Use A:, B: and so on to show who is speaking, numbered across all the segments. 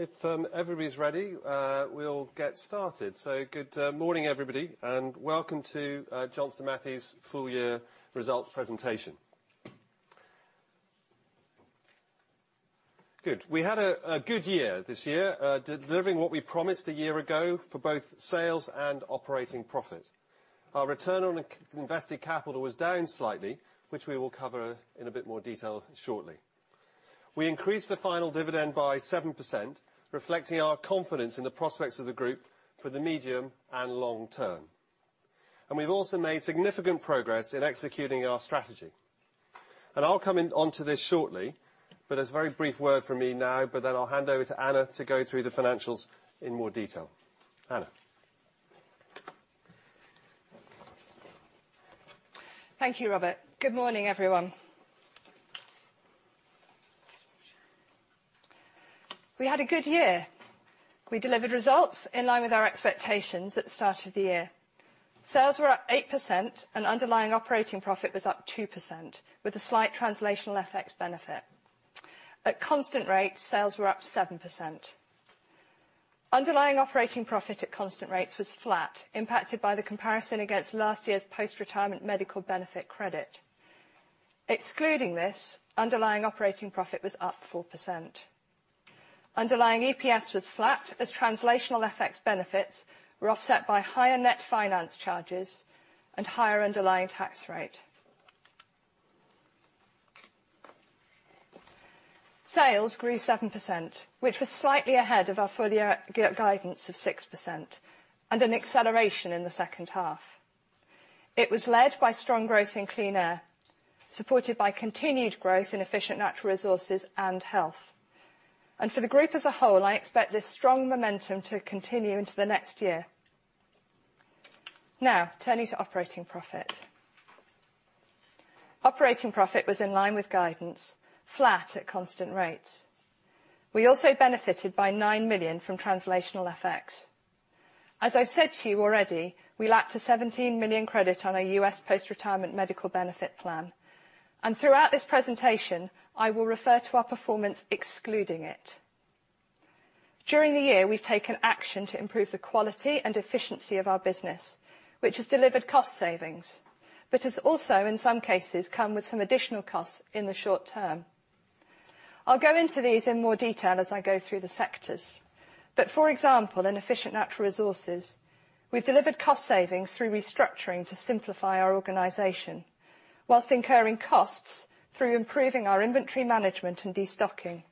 A: Okay. If everybody's ready, we'll get started. Good morning, everybody, and welcome to Johnson Matthey's full year results presentation. Good. We had a good year this year, delivering what we promised a year ago for both sales and operating profit. Our return on invested capital was down slightly, which we will cover in a bit more detail shortly. We increased the final dividend by 7%, reflecting our confidence in the prospects of the group for the medium and long term. We've also made significant progress in executing our strategy. I'll come onto this shortly, as a very brief word from me now, then I'll hand over to Anna to go through the financials in more detail. Anna.
B: Thank you, Robert. Good morning, everyone. We had a good year. We delivered results in line with our expectations at the start of the year. Sales were up 8% and underlying operating profit was up 2%, with a slight translational FX benefit. At constant rate, sales were up 7%. Underlying operating profit at constant rates was flat, impacted by the comparison against last year's post-retirement medical benefit credit. Excluding this, underlying operating profit was up 4%. Underlying EPS was flat, as translational FX benefits were offset by higher net finance charges and higher underlying tax rate. Sales grew 7%, which was slightly ahead of our full year guidance of 6% and an acceleration in the second half. It was led by strong growth in Clean Air, supported by continued growth in Efficient Natural Resources and Health. For the group as a whole, I expect this strong momentum to continue into the next year. Turning to operating profit. Operating profit was in line with guidance, flat at constant rates. We also benefited by $9 million from translational FX. As I've said to you already, we lacked a $17 million credit on our U.S. post-retirement medical benefit plan, and throughout this presentation, I will refer to our performance excluding it. During the year, we've taken action to improve the quality and efficiency of our business, which has delivered cost savings, has also, in some cases, come with some additional costs in the short term. I'll go into these in more detail as I go through the sectors. For example, in Efficient Natural Resources, we've delivered cost savings through restructuring to simplify our organization, whilst incurring costs through improving our inventory management and destocking.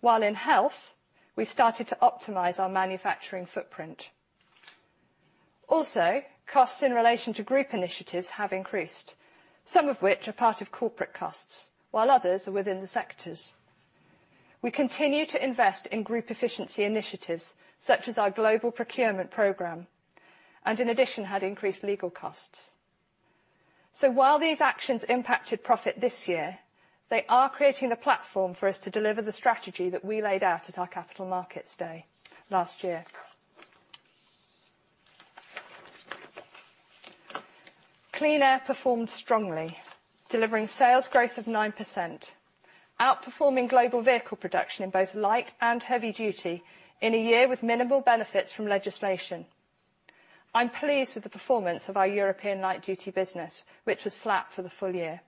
B: While in Health, we've started to optimize our manufacturing footprint. Also, costs in relation to group initiatives have increased, some of which are part of corporate costs, while others are within the sectors. We continue to invest in group efficiency initiatives, such as our global procurement program, in addition, had increased legal costs. While these actions impacted profit this year, they are creating the platform for us to deliver the strategy that we laid out at our Capital Markets Day last year. Clean Air performed strongly, delivering sales growth of 9%, outperforming global vehicle production in both light and heavy duty in a year with minimal benefits from legislation. I'm pleased with the performance of our European light duty business, which was flat for the full year.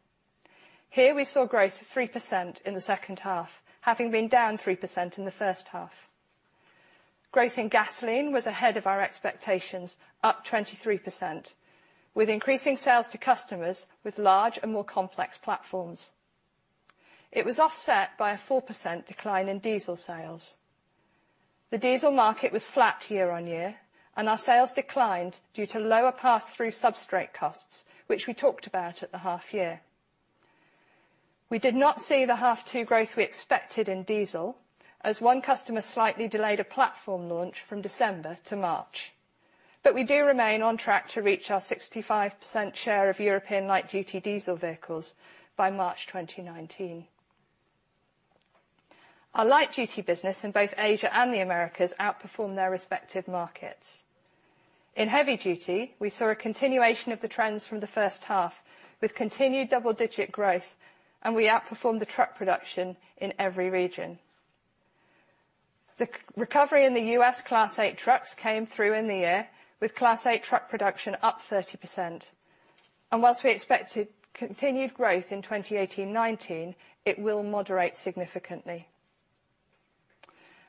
B: Here, we saw growth of 3% in the second half, having been down 3% in the first half. Growth in gasoline was ahead of our expectations, up 23%, with increasing sales to customers with large and more complex platforms. It was offset by a 4% decline in diesel sales. The diesel market was flat year-on-year, and our sales declined due to lower pass-through substrate costs, which we talked about at the half year. We did not see the half 2 growth we expected in diesel, as one customer slightly delayed a platform launch from December to March. We do remain on track to reach our 65% share of European light duty diesel vehicles by March 2019. Our light duty business in both Asia and the Americas outperformed their respective markets. In heavy duty, we saw a continuation of the trends from the first half, with continued double-digit growth, and we outperformed the truck production in every region. The recovery in the U.S. Class 8 trucks came through in the year, with Class 8 truck production up 30%. Whilst we expect continued growth in 2018-2019, it will moderate significantly.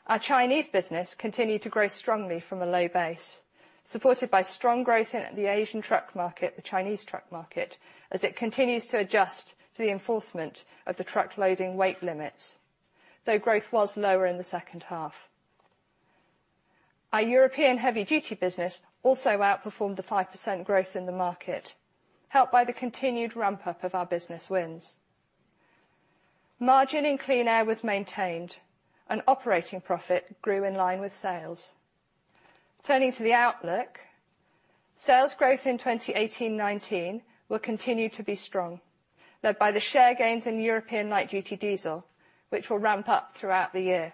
B: Our Chinese business continued to grow strongly from a low base, supported by strong growth in the Asian truck market, the Chinese truck market, as it continues to adjust to the enforcement of the truck loading weight limits, though growth was lower in the second half. Our European heavy duty business also outperformed the 5% growth in the market, helped by the continued ramp-up of our business wins. Margin in Clean Air was maintained, and operating profit grew in line with sales. Turning to the outlook, sales growth in 2018-2019 will continue to be strong, led by the share gains in European light duty diesel, which will ramp up throughout the year.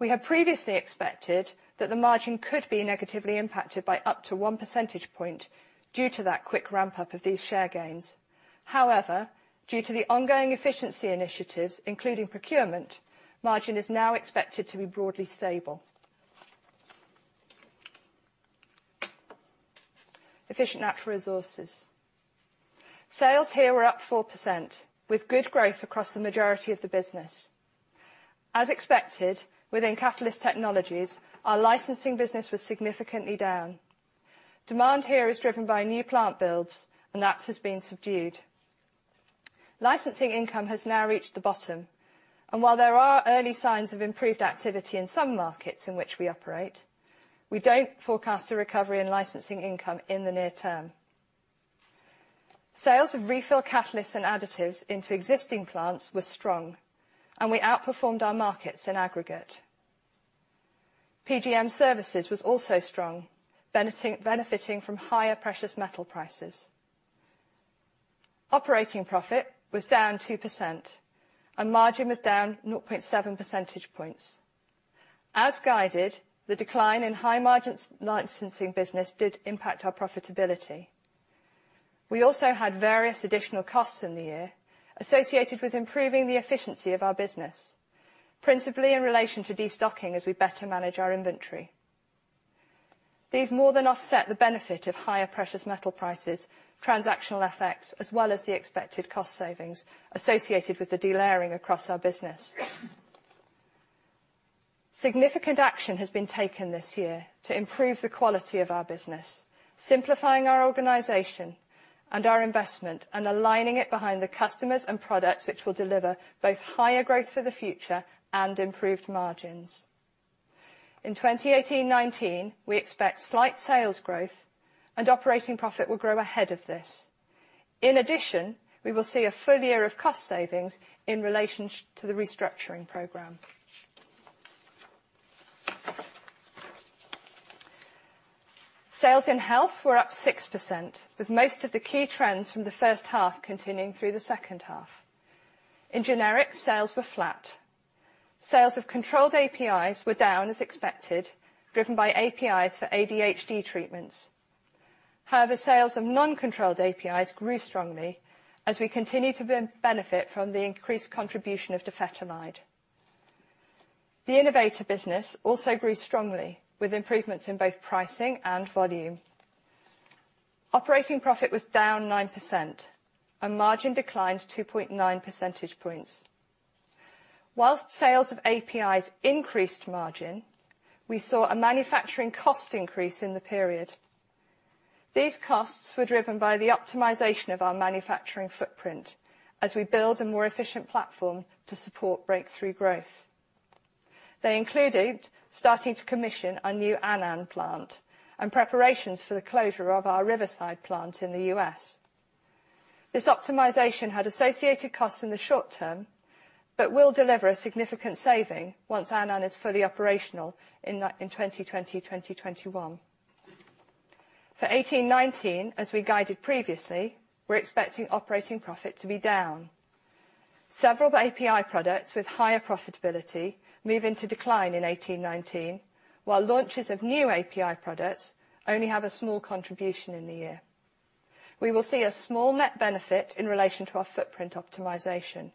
B: We had previously expected that the margin could be negatively impacted by up to one percentage point due to that quick ramp-up of these share gains. However, due to the ongoing efficiency initiatives, including procurement, margin is now expected to be broadly stable. Efficient Natural Resources. Sales here were up 4%, with good growth across the majority of the business. As expected, within Catalyst Technologies, our licensing business was significantly down. Demand here is driven by new plant builds and that has been subdued. Licensing income has now reached the bottom, and while there are early signs of improved activity in some markets in which we operate, we don't forecast a recovery in licensing income in the near term. Sales of refill catalysts and additives into existing plants were strong, and we outperformed our markets in aggregate. PGM Services was also strong, benefiting from higher precious metal prices. Operating profit was down 2%, and margin was down 0.7 percentage points. As guided, the decline in high-margin licensing business did impact our profitability. We also had various additional costs in the year associated with improving the efficiency of our business, principally in relation to destocking as we better manage our inventory. These more than offset the benefit of higher precious metal prices, transactional effects, as well as the expected cost savings associated with the delayering across our business. Significant action has been taken this year to improve the quality of our business, simplifying our organization and our investment and aligning it behind the customers and products which will deliver both higher growth for the future and improved margins. In 2018-2019, we expect slight sales growth, and operating profit will grow ahead of this. In addition, we will see a full year of cost savings in relation to the restructuring program. Sales in Health were up 6%, with most of the key trends from the first half continuing through the second half. In generic, sales were flat. Sales of controlled APIs were down as expected, driven by APIs for ADHD treatments. However, sales of non-controlled APIs grew strongly as we continue to benefit from the increased contribution of dexamphetamine. The innovator business also grew strongly with improvements in both pricing and volume. Operating profit was down 9%, and margin declined 2.9 percentage points. Whilst sales of APIs increased margin, we saw a manufacturing cost increase in the period. These costs were driven by the optimization of our manufacturing footprint as we build a more efficient platform to support breakthrough growth. They included starting to commission our new Annan plant and preparations for the closure of our Riverside plant in the U.S. This optimization had associated costs in the short term, but will deliver a significant saving once Annan is fully operational in 2020-2021. For 2018-2019, as we guided previously, we are expecting operating profit to be down. Several API products with higher profitability move into decline in 2018-2019, while launches of new API products only have a small contribution in the year. We will see a small net benefit in relation to our footprint optimization.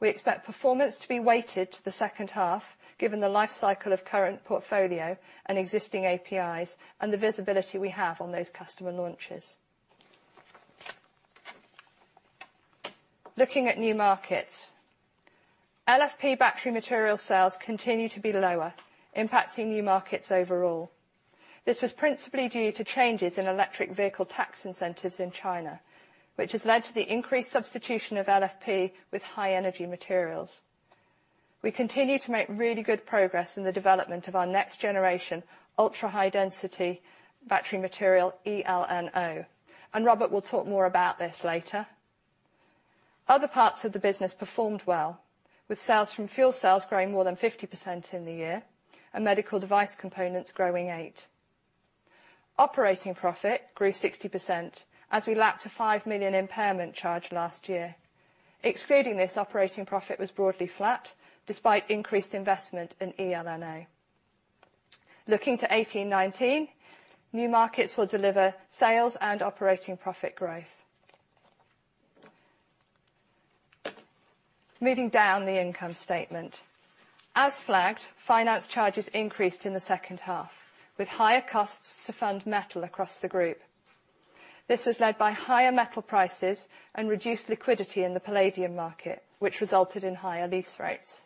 B: We expect performance to be weighted to the second half given the life cycle of current portfolio and existing APIs and the visibility we have on those customer launches. Looking at new markets. LFP battery material sales continue to be lower, impacting new markets overall. This was principally due to changes in electric vehicle tax incentives in China, which has led to the increased substitution of LFP with high-energy materials. We continue to make really good progress in the development of our next generation ultra-high-density battery material eLNO, and Robert will talk more about this later. Other parts of the business performed well, with sales from fuel cells growing more than 50% in the year and medical device components growing 8%. Operating profit grew 60% as we lapped a 5 million impairment charge last year. Excluding this, operating profit was broadly flat despite increased investment in eLNO. Looking to 2018-2019, new markets will deliver sales and operating profit growth. Moving down the income statement. As flagged, finance charges increased in the second half, with higher costs to fund metal across the group. This was led by higher metal prices and reduced liquidity in the palladium market, which resulted in higher lease rates.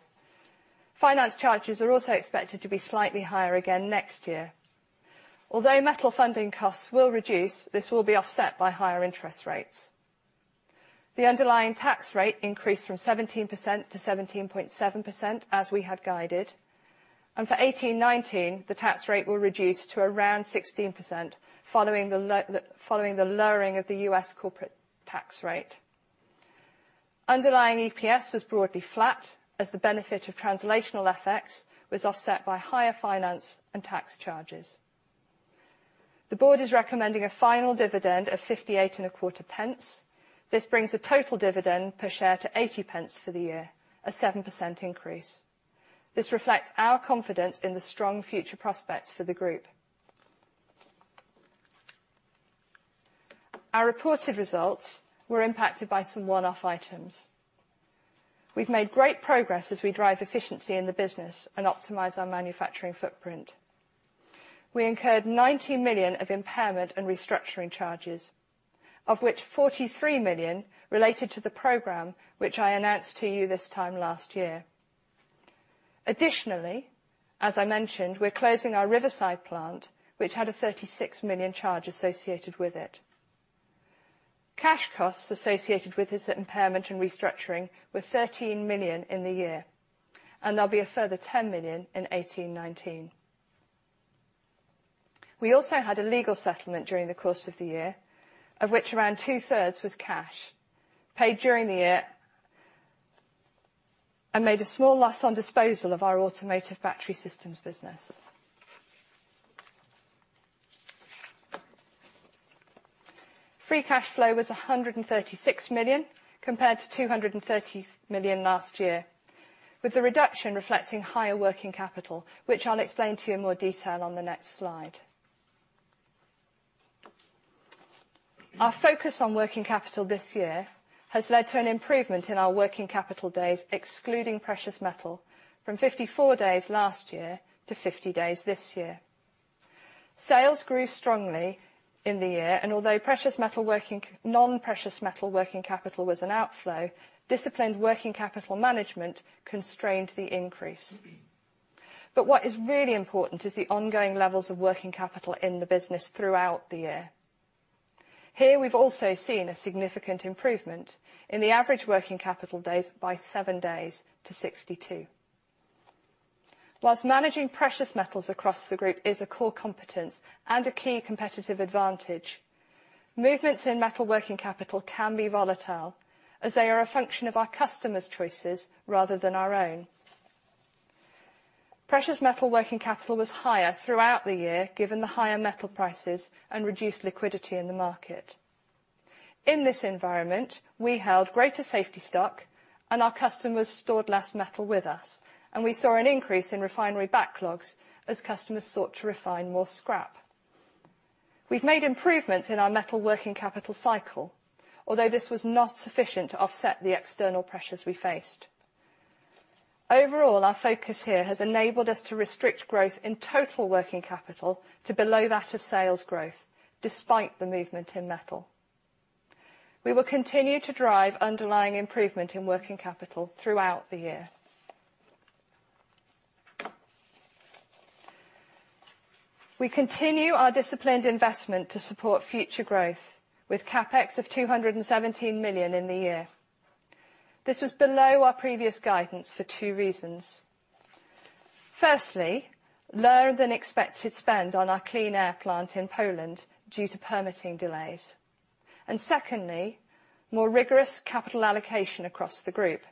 B: Finance charges are also expected to be slightly higher again next year. Metal funding costs will reduce, this will be offset by higher interest rates. The underlying tax rate increased from 17% to 17.7% as we had guided. For 2018-2019, the tax rate will reduce to around 16% following the lowering of the U.S. corporate tax rate. Underlying EPS was broadly flat as the benefit of translational effects was offset by higher finance and tax charges. The board is recommending a final dividend of 0.5825. This brings the total dividend per share to 0.80 for the year, a 7% increase. This reflects our confidence in the strong future prospects for the group. Our reported results were impacted by some one-off items. We've made great progress as we drive efficiency in the business and optimize our manufacturing footprint. We incurred 90 million of impairment and restructuring charges, of which 43 million related to the program, which I announced to you this time last year. Additionally, as I mentioned, we're closing our Riverside plant, which had a 36 million charge associated with it. Cash costs associated with this impairment and restructuring were 13 million in the year, and there'll be a further 10 million in 2018, 2019. We also had a legal settlement during the course of the year, of which around two-thirds was cash, paid during the year, and made a small loss on disposal of our automotive battery system business. Free cash flow was 136 million compared to 230 million last year, with the reduction reflecting higher working capital, which I'll explain to you in more detail on the next slide. Our focus on working capital this year has led to an improvement in our working capital days, excluding precious metal, from 54 days last year to 50 days this year. Sales grew strongly in the year, and although non-precious metal working capital was an outflow, disciplined working capital management constrained the increase. But what is really important is the ongoing levels of working capital in the business throughout the year. Here, we've also seen a significant improvement in the average working capital days by 7 days to 62. Whilst managing precious metals across the group is a core competence and a key competitive advantage, movements in metal working capital can be volatile, as they are a function of our customers' choices rather than our own. Precious metal working capital was higher throughout the year, given the higher metal prices and reduced liquidity in the market. In this environment, we held greater safety stock and our customers stored less metal with us, and we saw an increase in refinery backlogs as customers sought to refine more scrap. We've made improvements in our metal working capital cycle, although this was not sufficient to offset the external pressures we faced. Overall, our focus here has enabled us to restrict growth in total working capital to below that of sales growth, despite the movement in metal. We will continue to drive underlying improvement in working capital throughout the year. We continue our disciplined investment to support future growth with CapEx of 217 million in the year. This was below our previous guidance for two reasons. Firstly, lower than expected spend on our Clean Air plant in Poland due to permitting delays. And secondly, more rigorous capital allocation across the group.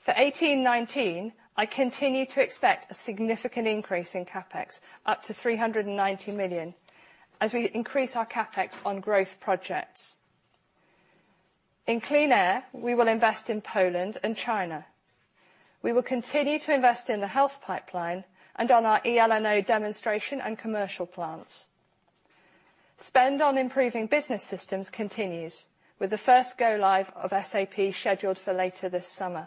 B: For 2018, 2019, I continue to expect a significant increase in CapEx, up to 390 million, as we increase our CapEx on growth projects. In Clean Air, we will invest in Poland and China. We will continue to invest in the health pipeline and on our eLNO demonstration and commercial plants. Spend on improving business systems continues, with the first go live of SAP scheduled for later this summer.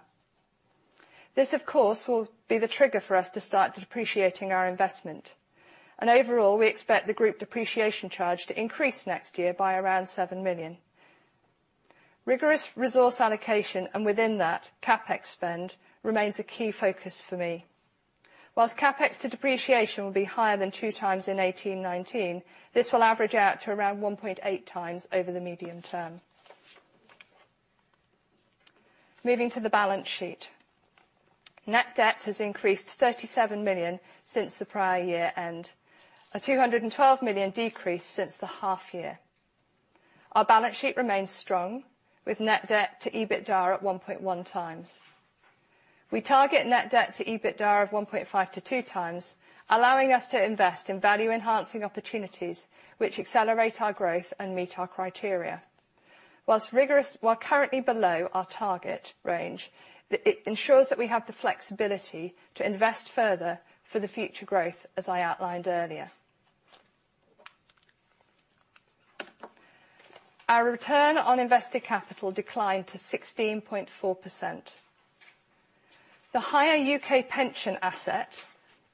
B: This, of course, will be the trigger for us to start depreciating our investment. And overall, we expect the group depreciation charge to increase next year by around 7 million. Rigorous resource allocation, and within that, CapEx spend, remains a key focus for me. Whilst CapEx to depreciation will be higher than 2 times in 2018, 2019, this will average out to around 1.8 times over the medium term. Moving to the balance sheet. Net debt has increased 37 million since the prior year end, a 212 million decrease since the half year. Our balance sheet remains strong, with net debt to EBITDA at 1.1 times. We target net debt to EBITDA of 1.5-2 times, allowing us to invest in value-enhancing opportunities which accelerate our growth and meet our criteria. Whilst currently below our target range, it ensures that we have the flexibility to invest further for the future growth, as I outlined earlier. Our return on invested capital declined to 16.4%. The higher U.K. pension asset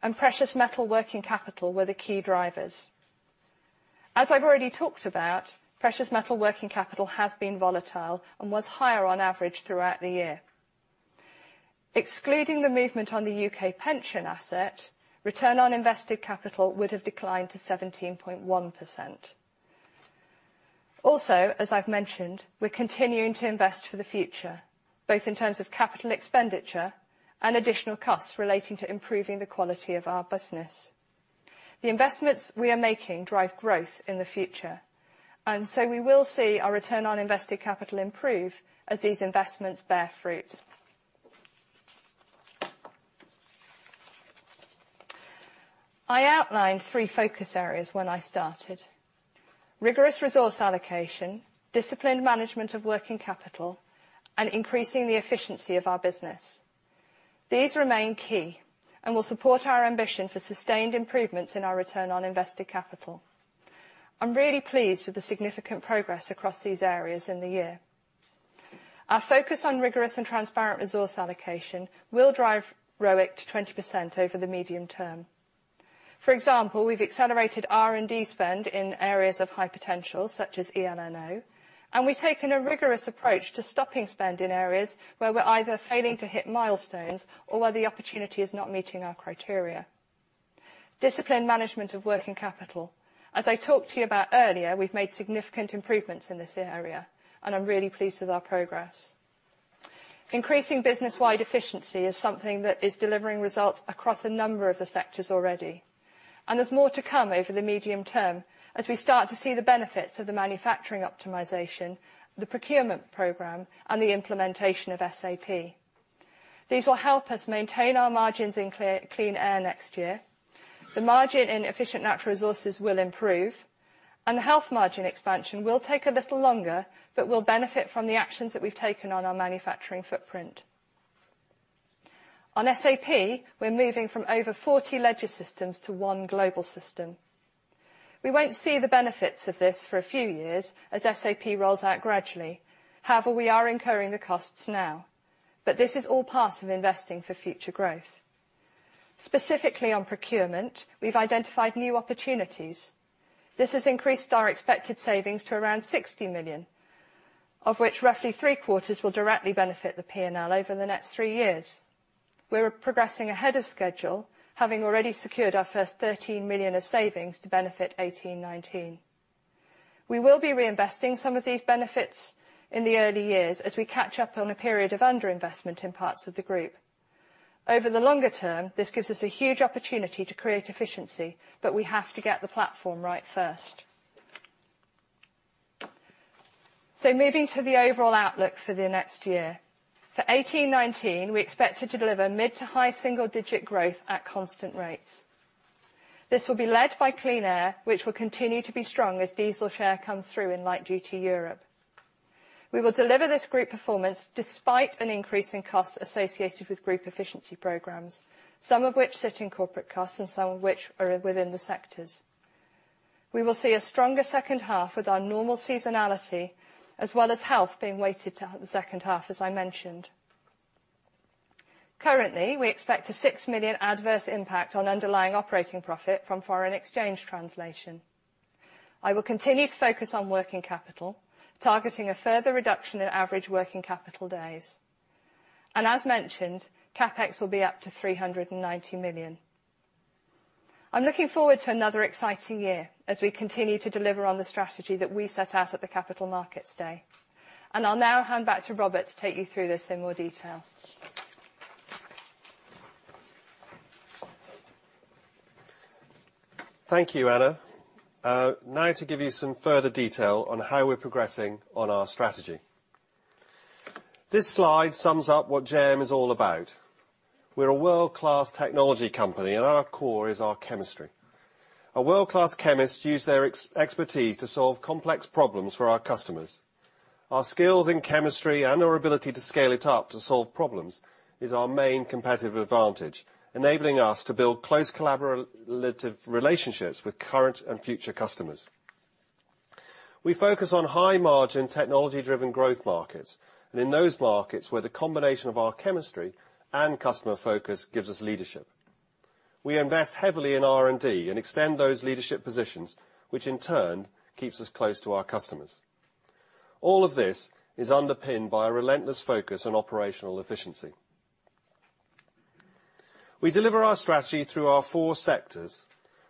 B: and precious metal working capital were the key drivers. As I've already talked about, precious metal working capital has been volatile and was higher on average throughout the year. Excluding the movement on the U.K. pension asset, return on invested capital would have declined to 17.1%. As I've mentioned, we're continuing to invest for the future, both in terms of capital expenditure and additional costs relating to improving the quality of our business. The investments we are making drive growth in the future, we will see our return on invested capital improve as these investments bear fruit. I outlined three focus areas when I started. Rigorous resource allocation, disciplined management of working capital, and increasing the efficiency of our business. These remain key and will support our ambition for sustained improvements in our return on invested capital. I'm really pleased with the significant progress across these areas in the year. Our focus on rigorous and transparent resource allocation will drive ROIC to 20% over the medium term. For example, we've accelerated R&D spend in areas of high potential, such as eLNO. We've taken a rigorous approach to stopping spend in areas where we're either failing to hit milestones or where the opportunity is not meeting our criteria. Disciplined management of working capital. As I talked to you about earlier, we've made significant improvements in this area. I'm really pleased with our progress. Increasing business-wide efficiency is something that is delivering results across a number of the sectors already. There's more to come over the medium term as we start to see the benefits of the manufacturing optimization, the procurement program, and the implementation of SAP. These will help us maintain our margins in Clean Air next year. The margin in Efficient Natural Resources will improve. The Health margin expansion will take a little longer but will benefit from the actions that we've taken on our manufacturing footprint. On SAP, we're moving from over 40 ledger systems to one global system. We won't see the benefits of this for a few years as SAP rolls out gradually. However, we are incurring the costs now. This is all part of investing for future growth. Specifically, on procurement, we've identified new opportunities. This has increased our expected savings to around 60 million, of which roughly three-quarters will directly benefit the P&L over the next three years. We're progressing ahead of schedule, having already secured our first 13 million of savings to benefit 2018-2019. We will be reinvesting some of these benefits in the early years as we catch up on a period of under-investment in parts of the group. Over the longer term, this gives us a huge opportunity to create efficiency, but we have to get the platform right first. Moving to the overall outlook for the next year. For 2018-2019, we expect to deliver mid to high single-digit growth at constant rates. This will be led by Clean Air, which will continue to be strong as diesel share comes through in light duty Europe. We will deliver this group performance despite an increase in costs associated with group efficiency programs, some of which sit in corporate costs and some of which are within the sectors. We will see a stronger second half with our normal seasonality, as well as Health being weighted to half the second half, as I mentioned. Currently, we expect a 6 million adverse impact on underlying operating profit from foreign exchange translation. I will continue to focus on working capital, targeting a further reduction in average working capital days. As mentioned, CapEx will be up to 390 million. I am looking forward to another exciting year as we continue to deliver on the strategy that we set out at the Capital Markets Day. I will now hand back to Robert to take you through this in more detail.
A: Thank you, Anna. Now to give you some further detail on how we are progressing on our strategy. This slide sums up what JM is all about. We are a world-class technology company, and our core is our chemistry. Our world-class chemists use their expertise to solve complex problems for our customers. Our skills in chemistry and our ability to scale it up to solve problems is our main competitive advantage, enabling us to build close collaborative relationships with current and future customers. We focus on high-margin, technology-driven growth markets and in those markets where the combination of our chemistry and customer focus gives us leadership. We invest heavily in R&D and extend those leadership positions, which in turn keeps us close to our customers. All of this is underpinned by a relentless focus on operational efficiency. We deliver our strategy through our four sectors,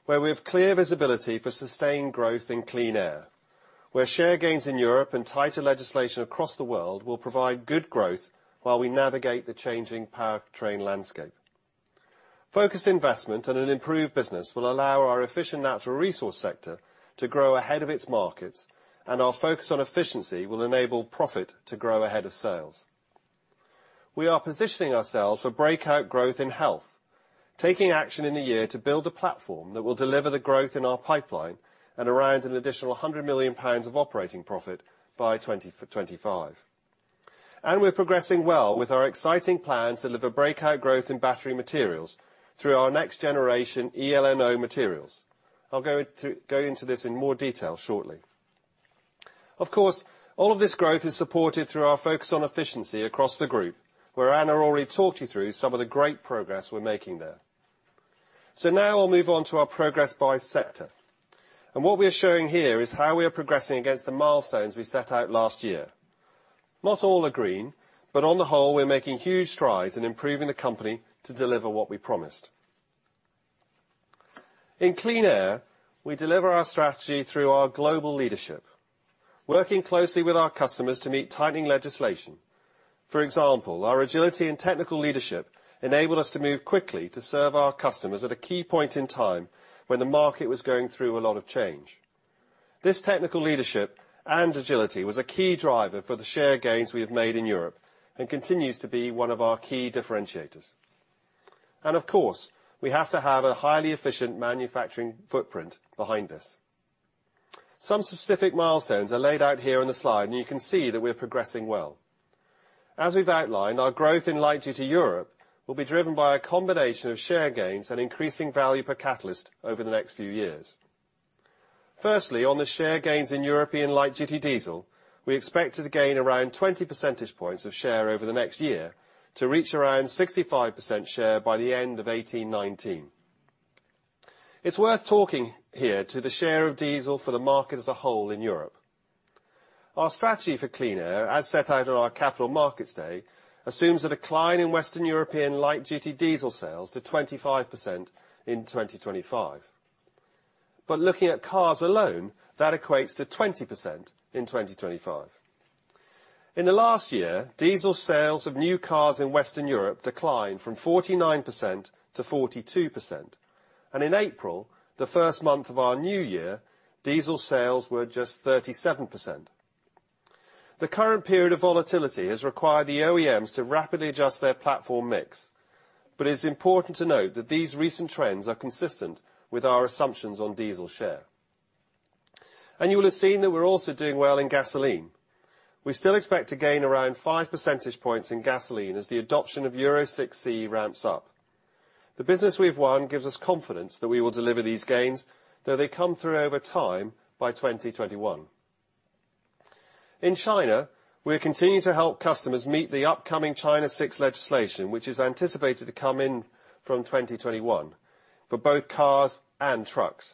A: where we have clear visibility for sustained growth in Clean Air, where share gains in Europe and tighter legislation across the world will provide good growth while we navigate the changing powertrain landscape. Focused investment and an improved business will allow our Efficient Natural Resources sector to grow ahead of its markets, and our focus on efficiency will enable profit to grow ahead of sales. We are positioning ourselves for breakout growth in Health, taking action in the year to build a platform that will deliver the growth in our pipeline and around an additional 100 million pounds of operating profit by 2025. We are progressing well with our exciting plans to deliver breakout growth in battery materials through our next generation eLNO materials. I will go into this in more detail shortly. Of course, all of this growth is supported through our focus on efficiency across the group, where Anna already talked you through some of the great progress we're making there. Now I'll move on to our progress by sector. What we are showing here is how we are progressing against the milestones we set out last year. Not all are green, but on the whole, we're making huge strides in improving the company to deliver what we promised. In Clean Air, we deliver our strategy through our global leadership, working closely with our customers to meet tightening legislation. For example, our agility and technical leadership enabled us to move quickly to serve our customers at a key point in time when the market was going through a lot of change. This technical leadership and agility was a key driver for the share gains we have made in Europe and continues to be one of our key differentiators. Of course, we have to have a highly efficient manufacturing footprint behind us. Some specific milestones are laid out here in the slide, and you can see that we're progressing well. As we've outlined, our growth in light-duty Europe will be driven by a combination of share gains and increasing value per catalyst over the next few years. On the share gains in European light-duty diesel, we expect to gain around 20 percentage points of share over the next year to reach around 65% share by the end of 2018-2019. It's worth talking here to the share of diesel for the market as a whole in Europe. Our strategy for Clean Air, as set out at our Capital Markets Day, assumes a decline in Western European light-duty diesel sales to 25% in 2025. Looking at cars alone, that equates to 20% in 2025. In the last year, diesel sales of new cars in Western Europe declined from 49% to 42%, and in April, the first month of our new year, diesel sales were just 37%. The current period of volatility has required the OEMs to rapidly adjust their platform mix, but it is important to note that these recent trends are consistent with our assumptions on diesel share. You will have seen that we're also doing well in gasoline. We still expect to gain around five percentage points in gasoline as the adoption of Euro 6c ramps up. The business we've won gives us confidence that we will deliver these gains, though they come through over time by 2021. In China, we are continuing to help customers meet the upcoming China 6 legislation, which is anticipated to come in from 2021 for both cars and trucks.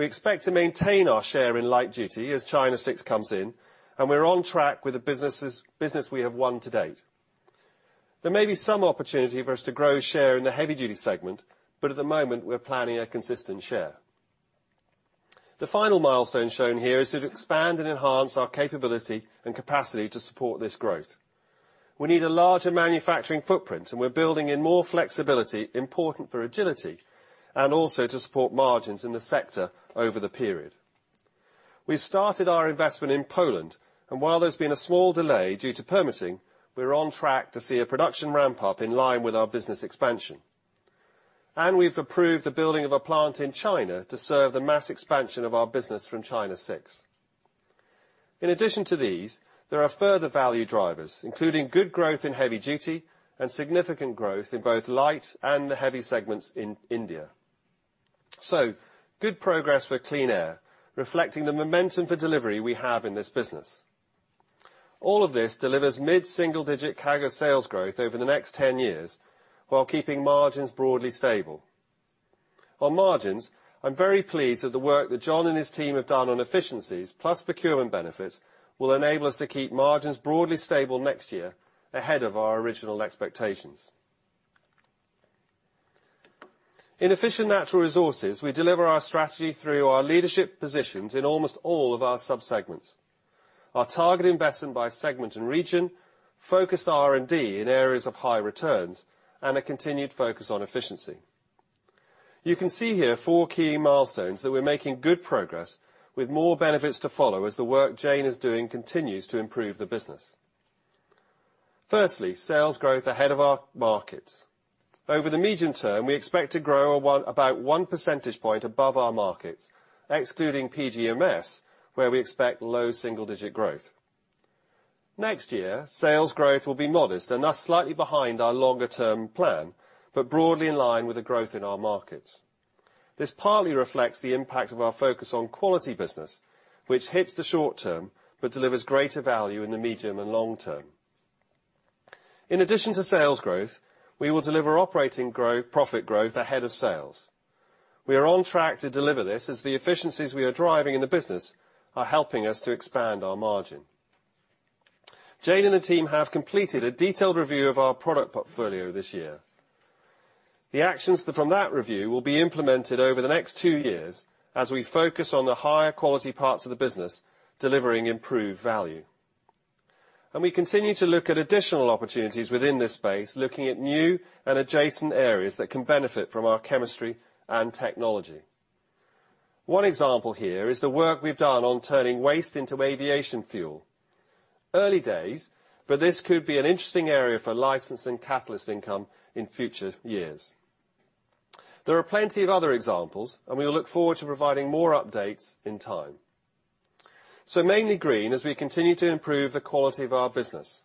A: We expect to maintain our share in light duty as China 6 comes in, and we're on track with the business we have won to date. At the moment, we're planning a consistent share. The final milestone shown here is to expand and enhance our capability and capacity to support this growth. We need a larger manufacturing footprint, and we're building in more flexibility important for agility and also to support margins in the sector over the period. We started our investment in Poland, while there's been a small delay due to permitting, we're on track to see a production ramp up in line with our business expansion. We've approved the building of a plant in China to serve the mass expansion of our business from China 6. In addition to these, there are further value drivers, including good growth in heavy duty and significant growth in both light and the heavy segments in India. Good progress for Clean Air, reflecting the momentum for delivery we have in this business. All of this delivers mid-single-digit CAGR sales growth over the next 10 years while keeping margins broadly stable. On margins, I'm very pleased that the work that John and his team have done on efficiencies, plus procurement benefits, will enable us to keep margins broadly stable next year ahead of our original expectations. In Efficient Natural Resources, we deliver our strategy through our leadership positions in almost all of our sub-segments. Our targeted investment by segment and region focused R&D in areas of high returns and a continued focus on efficiency. You can see here four key milestones that we're making good progress with more benefits to follow as the work Jane is doing continues to improve the business. Firstly, sales growth ahead of our markets. Over the medium term, we expect to grow about one percentage point above our markets, excluding PGMS, where we expect low double-digit growth. Next year, sales growth will be modest and thus slightly behind our longer-term plan, but broadly in line with the growth in our markets. This partly reflects the impact of our focus on quality business, which hits the short term but delivers greater value in the medium and long term. In addition to sales growth, we will deliver operating profit growth ahead of sales. We are on track to deliver this as the efficiencies we are driving in the business are helping us to expand our margin. Jane and the team have completed a detailed review of our product portfolio this year. The actions from that review will be implemented over the next two years as we focus on the higher quality parts of the business, delivering improved value. We continue to look at additional opportunities within this space, looking at new and adjacent areas that can benefit from our chemistry and technology. One example here is the work we've done on turning waste into aviation fuel. Early days, but this could be an interesting area for licensing catalyst income in future years. There are plenty of other examples. We look forward to providing more updates in time. Mainly green as we continue to improve the quality of our business.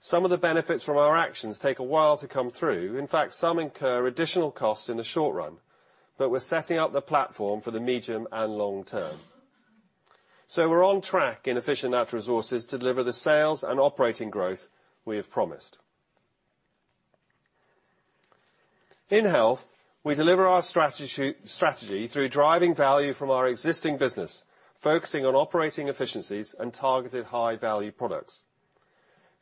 A: Some of the benefits from our actions take a while to come through. In fact, some incur additional costs in the short run, we're setting up the platform for the medium and long term. We're on track in Efficient Natural Resources to deliver the sales and operating growth we have promised. In Health, we deliver our strategy through driving value from our existing business, focusing on operating efficiencies and targeted high-value products,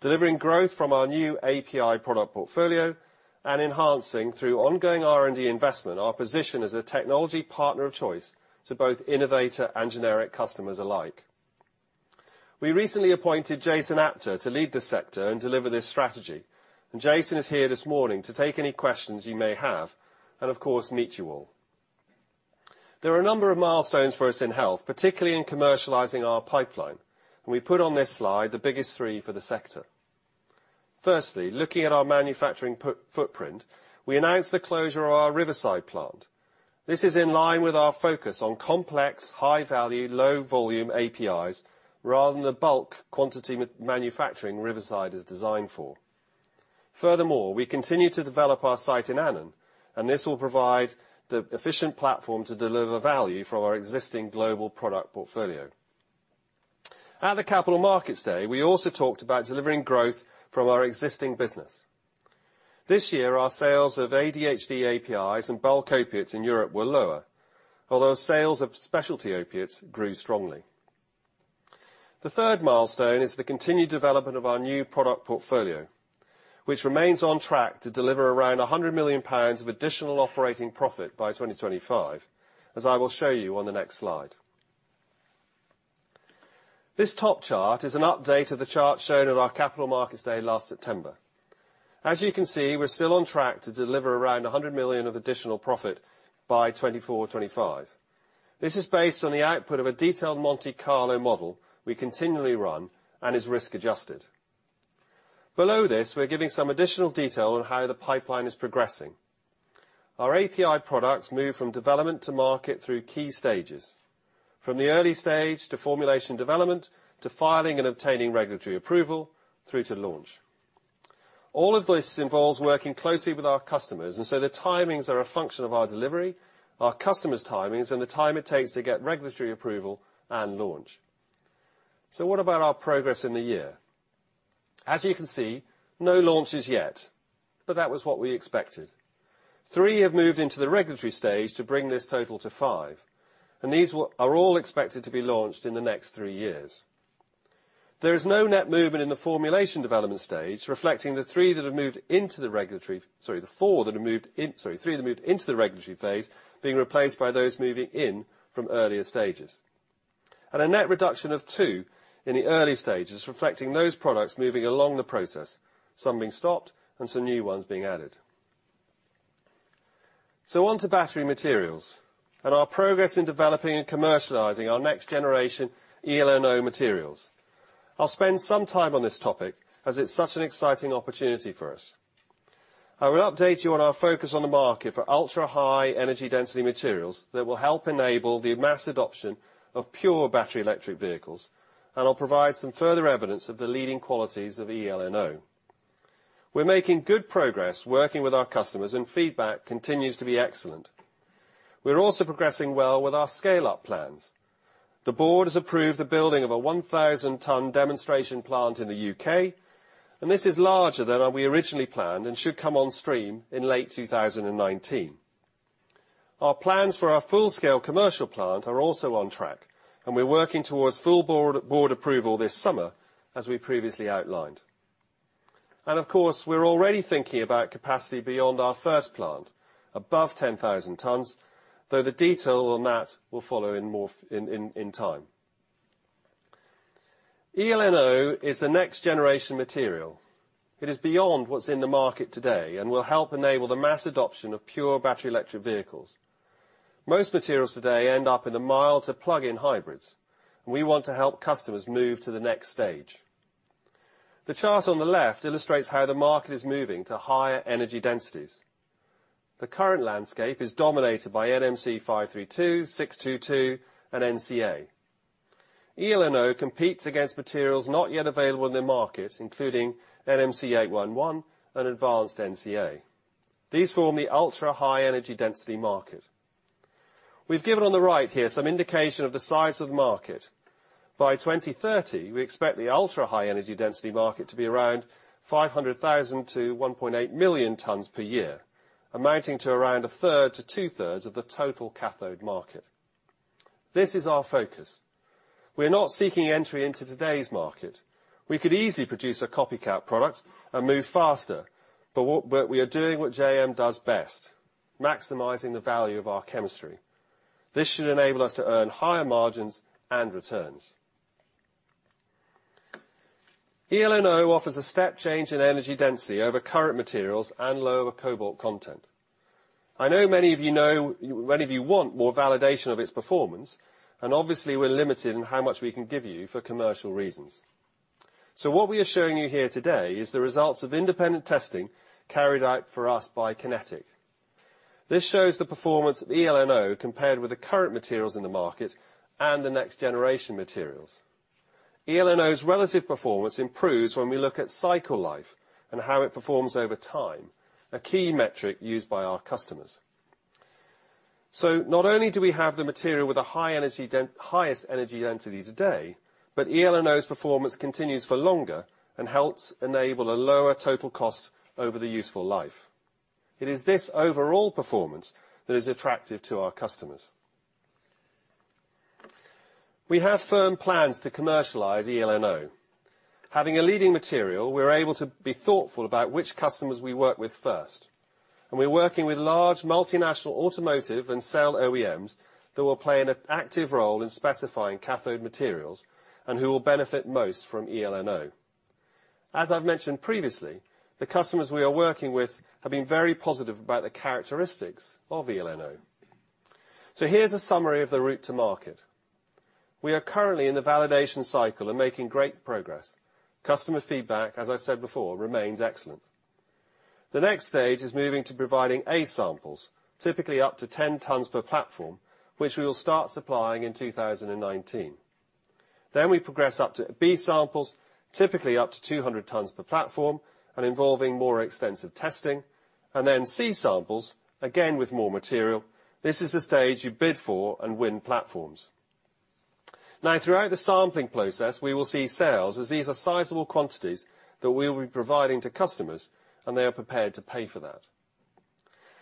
A: delivering growth from our new API product portfolio and enhancing through ongoing R&D investment our position as a technology partner of choice to both innovator and generic customers alike. We recently appointed Jason Apter to lead this sector and deliver this strategy. Jason is here this morning to take any questions you may have, of course, meet you all. There are a number of milestones for us in Health, particularly in commercializing our pipeline, and we put on this slide the biggest three for the sector. Firstly, looking at our manufacturing footprint, we announced the closure of our Riverside plant. This is in line with our focus on complex, high-value, low-volume APIs, rather than the bulk quantity manufacturing Riverside is designed for. Furthermore, we continue to develop our site in Annan, and this will provide the efficient platform to deliver value for our existing global product portfolio. At the Capital Markets Day, we also talked about delivering growth from our existing business. This year, our sales of ADHD APIs and bulk opiates in Europe were lower. Although sales of specialty opiates grew strongly. The third milestone is the continued development of our new product portfolio, which remains on track to deliver around 100 million pounds of additional operating profit by 2025, as I will show you on the next slide. This top chart is an update of the chart shown at our Capital Markets Day last September. As you can see, we are still on track to deliver around 100 million of additional profit by 2024, 2025. This is based on the output of a detailed Monte Carlo model we continually run and is risk adjusted. Below this, we are giving some additional detail on how the pipeline is progressing. Our API products move from development to market through key stages, from the early stage to formulation development, to filing and obtaining regulatory approval, through to launch. All of this involves working closely with our customers, and the timings are a function of our delivery, our customer's timings, and the time it takes to get regulatory approval and launch. What about our progress in the year? As you can see, no launches yet, but that was what we expected. Three have moved into the regulatory stage to bring this total to five, and these are all expected to be launched in the next three years. There is no net movement in the formulation development stage reflecting the three that have moved into the regulatory phase, being replaced by those moving in from earlier stages. And a net reduction of two in the early stages, reflecting those products moving along the process, some being stopped and some new ones being added. On to battery materials and our progress in developing and commercializing our next generation eLNO materials. I will spend some time on this topic, as it is such an exciting opportunity for us. I will update you on our focus on the market for ultra-high energy density materials that will help enable the mass adoption of pure battery electric vehicles, and I will provide some further evidence of the leading qualities of eLNO. We are making good progress working with our customers, and feedback continues to be excellent. We are also progressing well with our scale-up plans. The board has approved the building of a 1,000-ton demonstration plant in the U.K., and this is larger than we originally planned and should come on stream in late 2019. Our plans for our full-scale commercial plant are also on track, and we are working towards full board approval this summer, as we previously outlined. Of course, we're already thinking about capacity beyond our first plant, above 10,000 tons, though the detail on that will follow in more in time. eLNO is the next generation material. It is beyond what's in the market today and will help enable the mass adoption of pure battery electric vehicles. Most materials today end up in the mild to plug-in hybrids, and we want to help customers move to the next stage. The chart on the left illustrates how the market is moving to higher energy densities. The current landscape is dominated by NMC 532, 622, and NCA. eLNO competes against materials not yet available in the market, including NMC 811 and advanced NCA. These form the ultra-high energy density market. We've given on the right here some indication of the size of the market. By 2030, we expect the ultra-high energy density market to be around 500,000 to 1.8 million tons per year, amounting to around a third to two-thirds of the total cathode market. This is our focus. We're not seeking entry into today's market. We could easily produce a copycat product and move faster. What we are doing, what JM does best, maximizing the value of our chemistry. This should enable us to earn higher margins and returns. eLNO offers a step change in energy density over current materials and lower cobalt content. I know many of you want more validation of its performance, and obviously, we're limited in how much we can give you for commercial reasons. What we are showing you here today is the results of independent testing carried out for us by Kinetrics. This shows the performance of eLNO compared with the current materials in the market and the next generation materials. eLNO's relative performance improves when we look at cycle life and how it performs over time, a key metric used by our customers. Not only do we have the material with the highest energy density today, but eLNO's performance continues for longer and helps enable a lower total cost over the useful life. It is this overall performance that is attractive to our customers. We have firm plans to commercialize eLNO. Having a leading material, we're able to be thoughtful about which customers we work with first. We're working with large multinational automotive and cell OEMs that will play an active role in specifying cathode materials and who will benefit most from eLNO. As I've mentioned previously, the customers we are working with have been very positive about the characteristics of eLNO. Here's a summary of the route to market. We are currently in the validation cycle and making great progress. Customer feedback, as I said before, remains excellent. The next stage is moving to providing A samples, typically up to 10 tons per platform, which we will start supplying in 2019. We progress up to B samples, typically up to 200 tons per platform and involving more extensive testing, and then C samples, again with more material. This is the stage you bid for and win platforms. Throughout the sampling process, we will see sales, as these are sizable quantities that we will be providing to customers, and they are prepared to pay for that.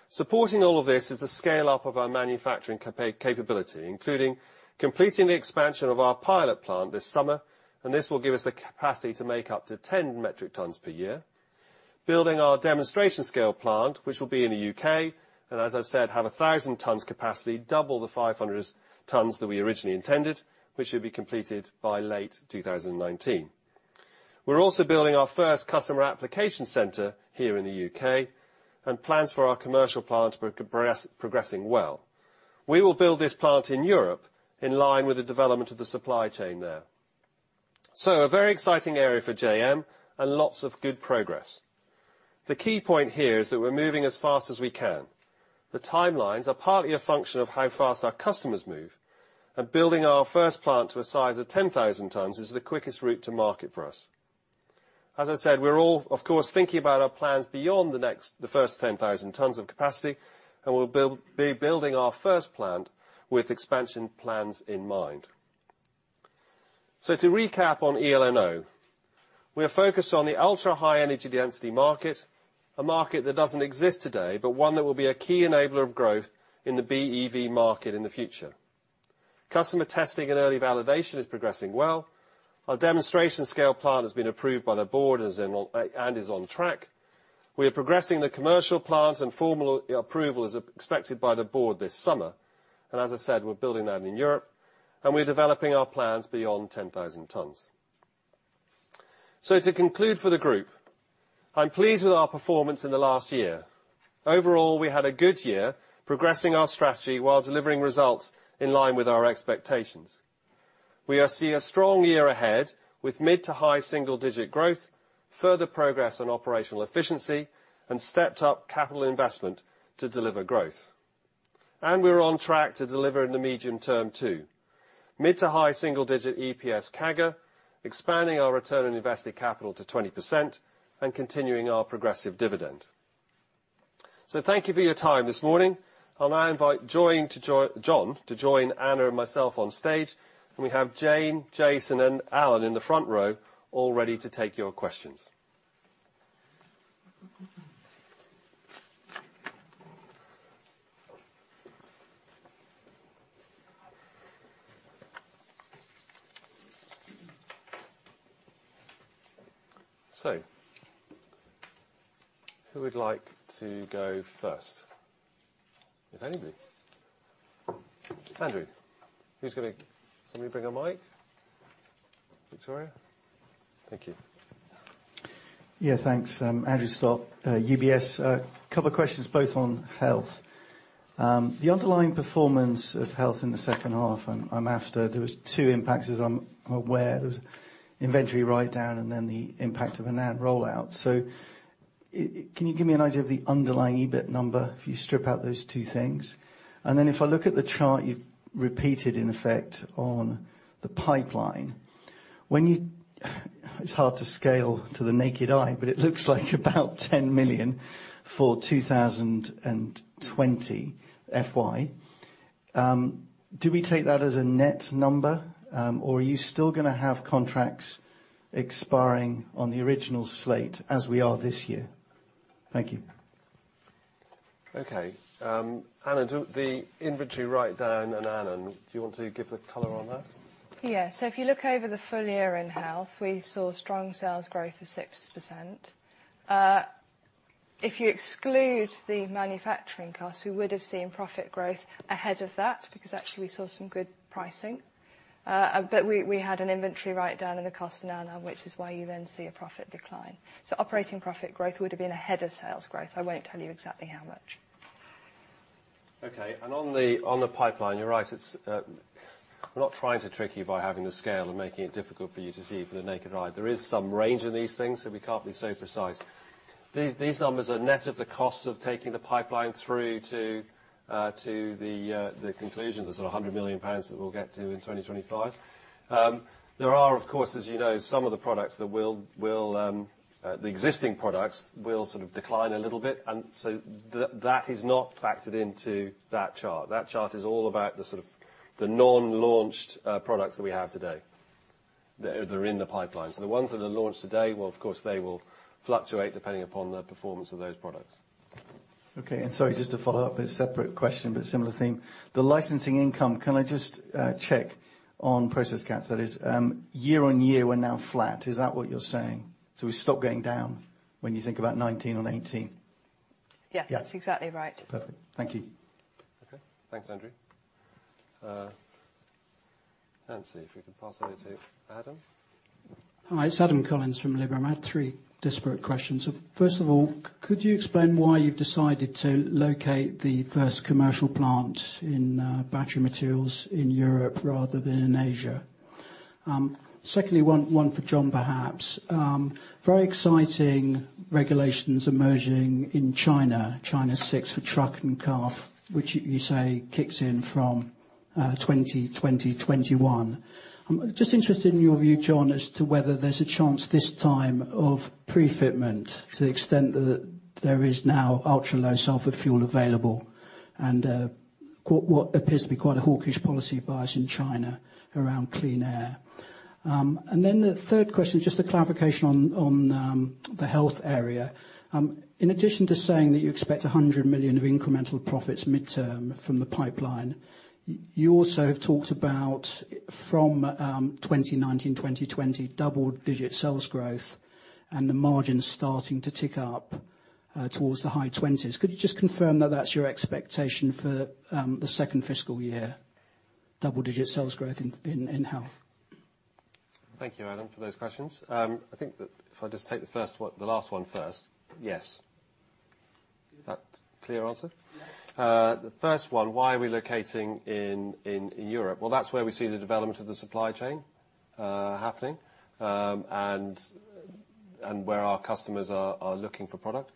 A: Supporting all of this is the scale-up of our manufacturing capability, including completing the expansion of our pilot plant this summer. This will give us the capacity to make up to 10 metric tons per year. Building our demonstration scale plant, which will be in the U.K., as I've said, have 1,000 tons capacity, double the 500 tons that we originally intended, which will be completed by late 2019. We're also building our first customer application center here in the U.K., and plans for our commercial plant are progressing well. We will build this plant in Europe in line with the development of the supply chain there. A very exciting area for JM, lots of good progress. The key point here is that we're moving as fast as we can. The timelines are partly a function of how fast our customers move, and building our first plant to a size of 10,000 tons is the quickest route to market for us. As I said, we're all, of course, thinking about our plans beyond the first 10,000 tons of capacity, and we'll be building our first plant with expansion plans in mind. To recap on eLNO, we are focused on the ultra-high energy density market, a market that doesn't exist today, but one that will be a key enabler of growth in the BEV market in the future. Customer testing and early validation is progressing well. Our demonstration scale plant has been approved by the board and is on track. We are progressing the commercial plant, and formal approval is expected by the board this summer. As I said, we're building that in Europe, and we're developing our plans beyond 10,000 tons. To conclude for the group, I'm pleased with our performance in the last year. Overall, we had a good year, progressing our strategy while delivering results in line with our expectations. We see a strong year ahead with mid to high single-digit growth, further progress on operational efficiency, and stepped up capital investment to deliver growth. We're on track to deliver in the medium term too. Mid to high single-digit EPS CAGR, expanding our return on invested capital to 20%, and continuing our progressive dividend. Thank you for your time this morning. I'll now invite John to join Anna and myself on stage. We have Jane, Jason, and Alan in the front row, all ready to take your questions. Who would like to go first? If anybody. Andrew. Somebody bring a mic. Victoria? Thank you.
C: Thanks. Andrew Stott, UBS. A couple of questions both on health. The underlying performance of health in the second half. I am after, there were two impacts, as I am aware. There was inventory write-down and the impact of an ad rollout. Can you give me an idea of the underlying EBIT number if you strip out those two things? If I look at the chart you have repeated in effect on the pipeline. It is hard to scale to the naked eye, but it looks like about 10 million for FY 2020. Do we take that as a net number? Are you still going to have contracts expiring on the original slate as we are this year? Thank you.
A: Anna, the inventory write-down. Anna, do you want to give the color on that?
B: If you look over the full year in health, we saw strong sales growth of 6%. If you exclude the manufacturing costs, we would have seen profit growth ahead of that, because actually we saw some good pricing. We had an inventory write-down in the cost of Annan, which is why you see a profit decline. Operating profit growth would have been ahead of sales growth. I won't tell you exactly how much.
A: On the pipeline, you are right. We are not trying to trick you by having the scale and making it difficult for you to see for the naked eye. There is some range in these things, we cannot be super precise. These numbers are net of the cost of taking the pipeline through to the conclusion. There is 100 million pounds that we will get to in 2025. There are, of course, as you know, some of the products, the existing products will sort of decline a little bit, that is not factored into that chart. That chart is all about the sort of the non-launched products that we have today that are in the pipeline. The ones that are launched today, well, of course, they will fluctuate depending upon the performance of those products
C: Sorry, just to follow up. A separate question, similar theme. The licensing income, can I just check on process cats? That is year-over-year, we're now flat. Is that what you're saying? We've stopped going down when you think about 2019 on 2018?
B: Yeah.
C: Yeah.
B: That's exactly right.
C: Perfect. Thank you.
A: Okay. Thanks, Andrew. Nancy, we could pass over to Adam.
D: Hi, it's Adam Collins from Liberum. I have three disparate questions. First of all, could you explain why you've decided to locate the first commercial plant in battery materials in Europe rather than in Asia? Secondly, one for John perhaps. Very exciting regulations emerging in China. China VI for truck and car, which you say kicks in from 2020, 2021. I'm just interested in your view, John, as to whether there's a chance this time of pre-fitment to the extent that there is now ultra-low sulfur fuel available, and what appears to be quite a hawkish policy bias in China around clean air. The third question is just a clarification on the Health area. In addition to saying that you expect 100 million of incremental profits midterm from the pipeline, you also have talked about from 2019, 2020, double-digit sales growth and the margins starting to tick up towards the high 20s. Could you just confirm that that's your expectation for the second fiscal year? Double-digit sales growth in Health.
A: Thank you, Adam, for those questions. I think that if I just take the last one first. Yes. Is that clear answer?
D: Yes.
A: The first one, why are we locating in Europe? That's where we see the development of the supply chain happening, where our customers are looking for product.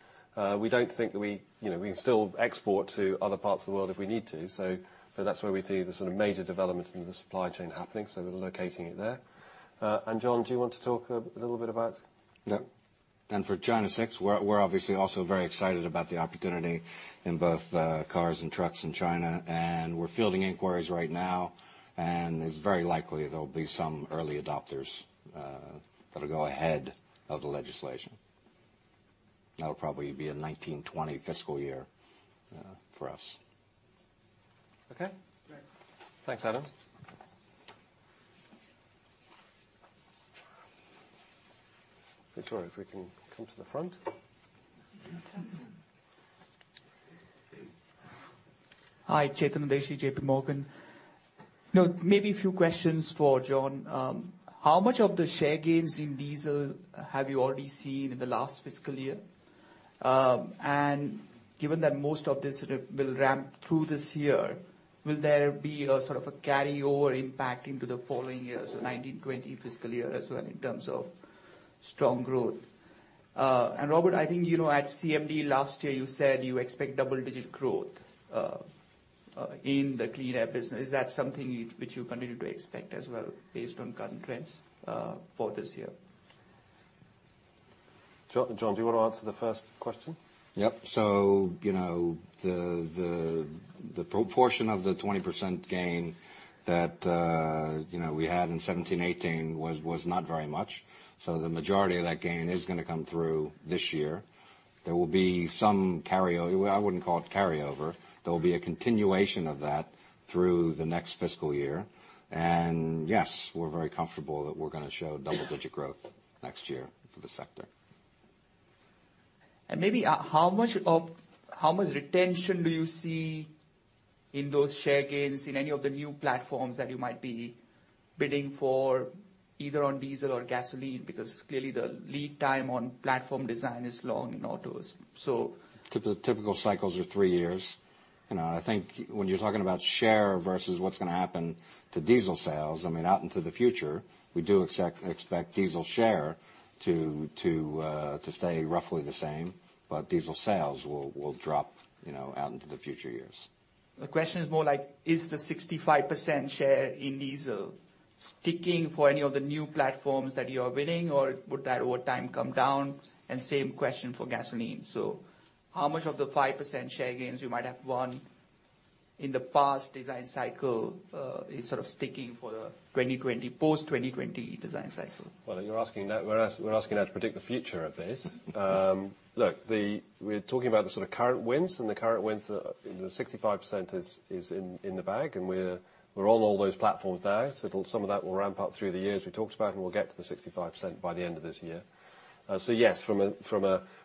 A: We can still export to other parts of the world if we need to, that's where we see the sort of major developments in the supply chain happening, we're locating it there. John, do you want to talk a little bit about
E: Yep. For China VI, we are obviously also very excited about the opportunity in both cars and trucks in China, and we are fielding inquiries right now, and it is very likely there will be some early adopters that will go ahead of the legislation. That will probably be a 2019, 2020 fiscal year for us.
A: Okay.
D: Great.
A: Thanks, Adam. Victoria, if we can come to the front. Hey.
F: Hi. Chetan Udeshi, J.P. Morgan. Maybe a few questions for John. How much of the share gains in diesel have you already seen in the last fiscal year? Given that most of this will ramp through this year, will there be a sort of a carryover impact into the following years, 2019, 2020 fiscal year as well in terms of strong growth? Robert, I think at CMD last year, you said you expect double-digit growth in the Clean Air business. Is that something which you continue to expect as well based on current trends for this year?
A: John, do you want to answer the first question?
E: Yep. The proportion of the 20% gain that we had in 2017, 2018 was not very much. The majority of that gain is gonna come through this year. There will be some carryover. Well, I wouldn't call it carryover. There'll be a continuation of that through the next fiscal year. Yes, we're very comfortable that we're gonna show double-digit growth next year for the sector.
F: Maybe how much retention do you see in those share gains in any of the new platforms that you might be bidding for, either on diesel or gasoline? Clearly the lead time on platform design is long in autos.
E: Typical cycles are three years. I think when you're talking about share versus what's gonna happen to diesel sales, out into the future, we do expect diesel share to stay roughly the same. Diesel sales will drop out into the future years.
F: The question is more like, is the 65% share in diesel sticking for any of the new platforms that you are winning, or would that over time come down? Same question for gasoline. How much of the 5% share gains you might have won in the past design cycle is sort of sticking for post 2020 design cycle?
A: Well, we're asking how to predict the future a bit. Look, we're talking about the sort of current wins, and the current wins, the 65% is in the bag, and we're on all those platforms there. Some of that will ramp up through the years we talked about, and we'll get to the 65% by the end of this year. Yes,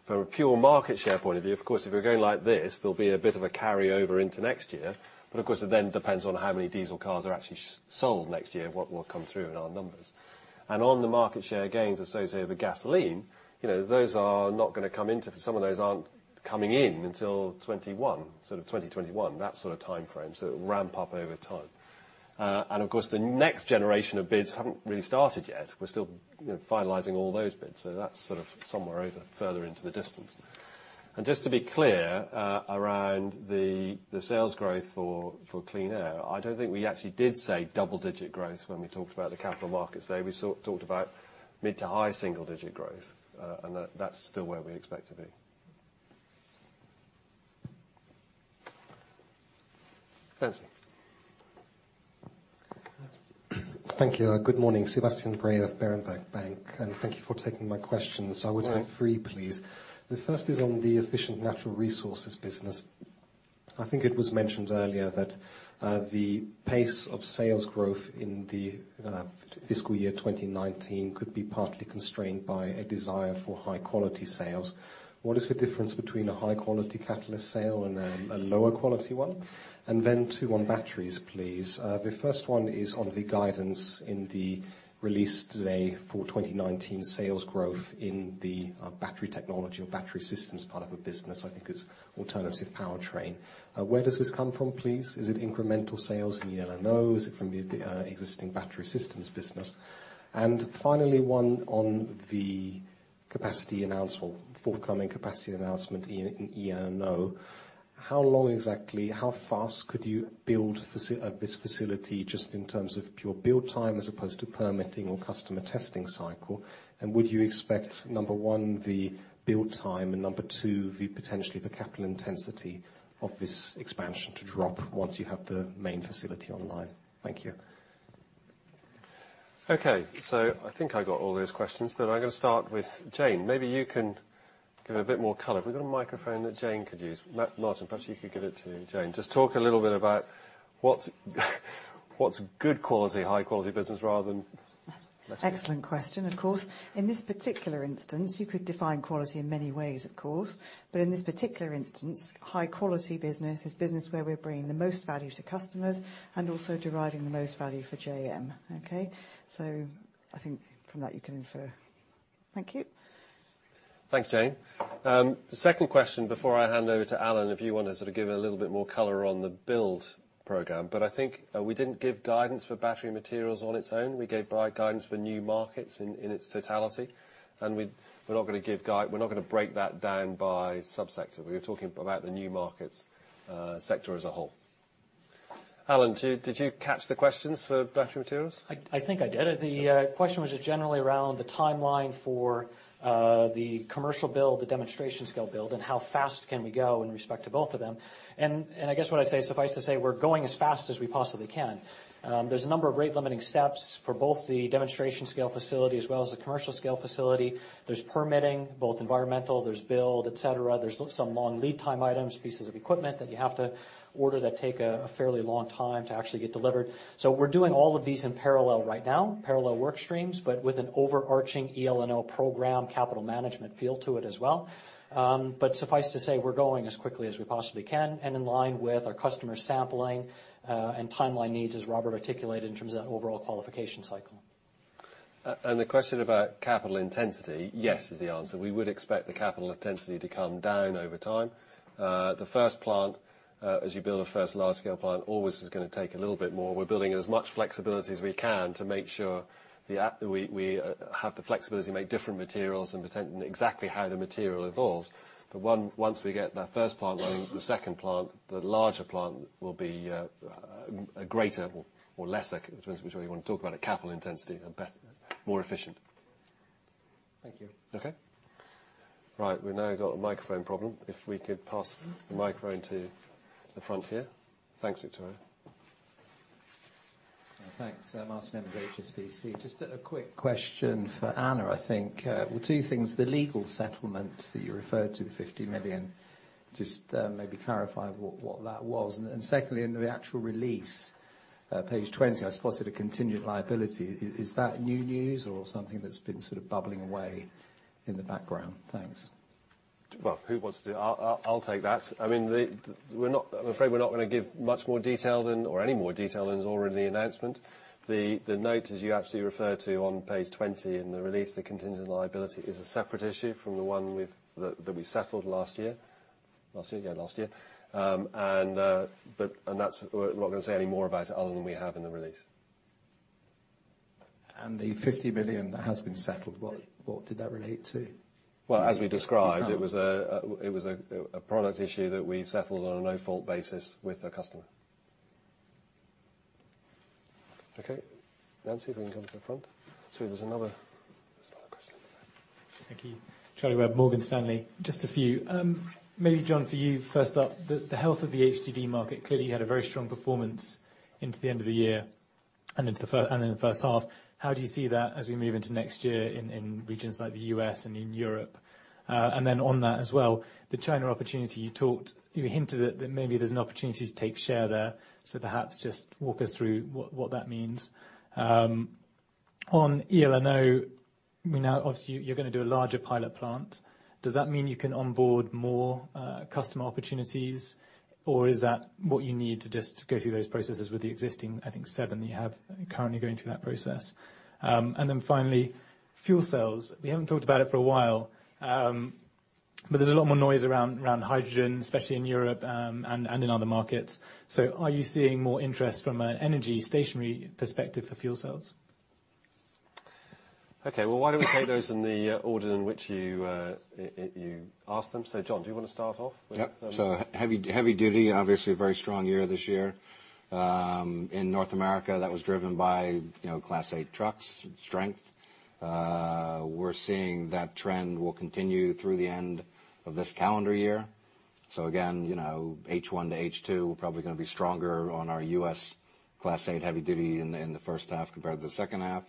A: from a pure market share point of view, of course, if we're going like this, there'll be a bit of a carryover into next year. Of course, it then depends on how many diesel cars are actually sold next year, what will come through in our numbers. On the market share gains, as to say over gasoline, some of those aren't coming in until sort of 2021, that sort of timeframe. It will ramp up over time. Of course, the next generation of bids haven't really started yet. We're still finalizing all those bids. That's sort of somewhere over further into the distance. Just to be clear, around the sales growth for Clean Air, I don't think we actually did say double-digit growth when we talked about the Capital Markets Day. We talked about mid to high single-digit growth. That's still where we expect to be. Nancy
G: Thank you. Good morning. Sebastian Bray, Berenberg Bank, thank you for taking my questions.
A: Right.
G: I would take three, please. The first is on the Efficient Natural Resources business. I think it was mentioned earlier that the pace of sales growth in the fiscal year 2019 could be partly constrained by a desire for high-quality sales. What is the difference between a high-quality catalyst sale and a lower quality one? Then two on batteries, please. The first one is on the guidance in the release today for 2019 sales growth in the battery technology or battery systems part of the business, I think it's alternative powertrain. Where does this come from, please? Is it incremental sales in eLNO? Is it from the existing battery systems business? Finally, one on the forthcoming capacity announcement in eLNO. How long exactly, how fast could you build this facility just in terms of pure build time as opposed to permitting or customer testing cycle? Would you expect, number one, the build time, and number two, potentially the capital intensity of this expansion to drop once you have the main facility online? Thank you.
A: Okay. I think I got all those questions, but I'm going to start with Jane. Maybe you can give it a bit more color. Have we got a microphone that Jane could use? Martin, perhaps you could give it to Jane. Just talk a little bit about what's good quality, high quality business rather than less good.
H: Excellent question, of course. In this particular instance, you could define quality in many ways, of course, but in this particular instance, high quality business is business where we're bringing the most value to customers and also deriving the most value for JM. Okay? I think from that you can infer. Thank you.
A: Thanks, Jane. The second question before I hand over to Alan, if you want to sort of give it a little bit more color on the build program, but I think we didn't give guidance for battery materials on its own. We gave guidance for new markets in its totality, and we're not going to break that down by sub-sector. We were talking about the new markets sector as a whole. Alan, did you catch the questions for battery materials?
I: I think I did. The question was just generally around the timeline for the commercial build, the demonstration scale build, and how fast can we go in respect to both of them. I guess what I'd say, suffice to say, we're going as fast as we possibly can. There's a number of rate-limiting steps for both the demonstration scale facility as well as the commercial scale facility. There's permitting, both environmental, there's build, et cetera. There's some long lead time items, pieces of equipment that you have to order that take a fairly long time to actually get delivered. We're doing all of these in parallel right now, parallel work streams, but with an overarching eLNO program capital management feel to it as well. Suffice to say, we're going as quickly as we possibly can and in line with our customer sampling, and timeline needs, as Robert articulated, in terms of that overall qualification cycle.
A: The question about capital intensity, yes is the answer. We would expect the capital intensity to come down over time. The first plant, as you build a first large scale plant, always is going to take a little bit more. We're building as much flexibility as we can to make sure we have the flexibility to make different materials and exactly how the material evolves. Once we get that first plant running, the second plant, the larger plant, will be a greater or lesser, whichever way you want to talk about it, capital intensity, but more efficient.
G: Thank you.
A: Okay. Right, we've now got a microphone problem. If we could pass the microphone to the front here. Thanks, Victoria.
J: Thanks. Martin Evans, HSBC. Just a quick question for Anna, I think. Well, two things, the legal settlement that you referred to, the 50 million, just maybe clarify what that was. Secondly, in the actual release, page 20, I spotted a contingent liability. Is that new news or something that's been sort of bubbling away in the background? Thanks.
A: Well, who wants to do it? I'll take that. I'm afraid we're not going to give much more detail than, or any more detail than is already in the announcement. The note, as you actually refer to on page 20 in the release, the contingent liability is a separate issue from the one that we settled last year. Last year? Yeah, last year. We're not going to say any more about it other than we have in the release.
J: The 50 million that has been settled, what did that relate to?
A: As we described, it was a product issue that we settled on a no-fault basis with a customer. Okay. Nancy, if we can come to the front. Sorry, there's another question in the back.
K: Thank you. Charlie Webb, Morgan Stanley. Just a few. Maybe John, for you first up, the health of the HDV market. Clearly, you had a very strong performance into the end of the year and in the first half. How do you see that as we move into next year in regions like the U.S. and in Europe? Then on that as well, the China opportunity, you hinted that maybe there's an opportunity to take share there. Perhaps just walk us through what that means. On eLNO, we know obviously you're going to do a larger pilot plant. Does that mean you can onboard more customer opportunities, or is that what you need to just go through those processes with the existing, I think, seven that you have currently going through that process? Then finally, fuel cells. We haven't talked about it for a while. There's a lot more noise around hydrogen, especially in Europe, and in other markets. Are you seeing more interest from an energy stationary perspective for fuel cells?
A: Okay. Why don't we take those in the order in which you asked them. John, do you want to start off with
E: Yep. Heavy duty, obviously a very strong year this year. In North America, that was driven by Class 8 trucks strength. We're seeing that trend will continue through the end of this calendar year. Again, H1 to H2, we're probably going to be stronger on our U.S. Class 8 heavy duty in the first half compared to the second half.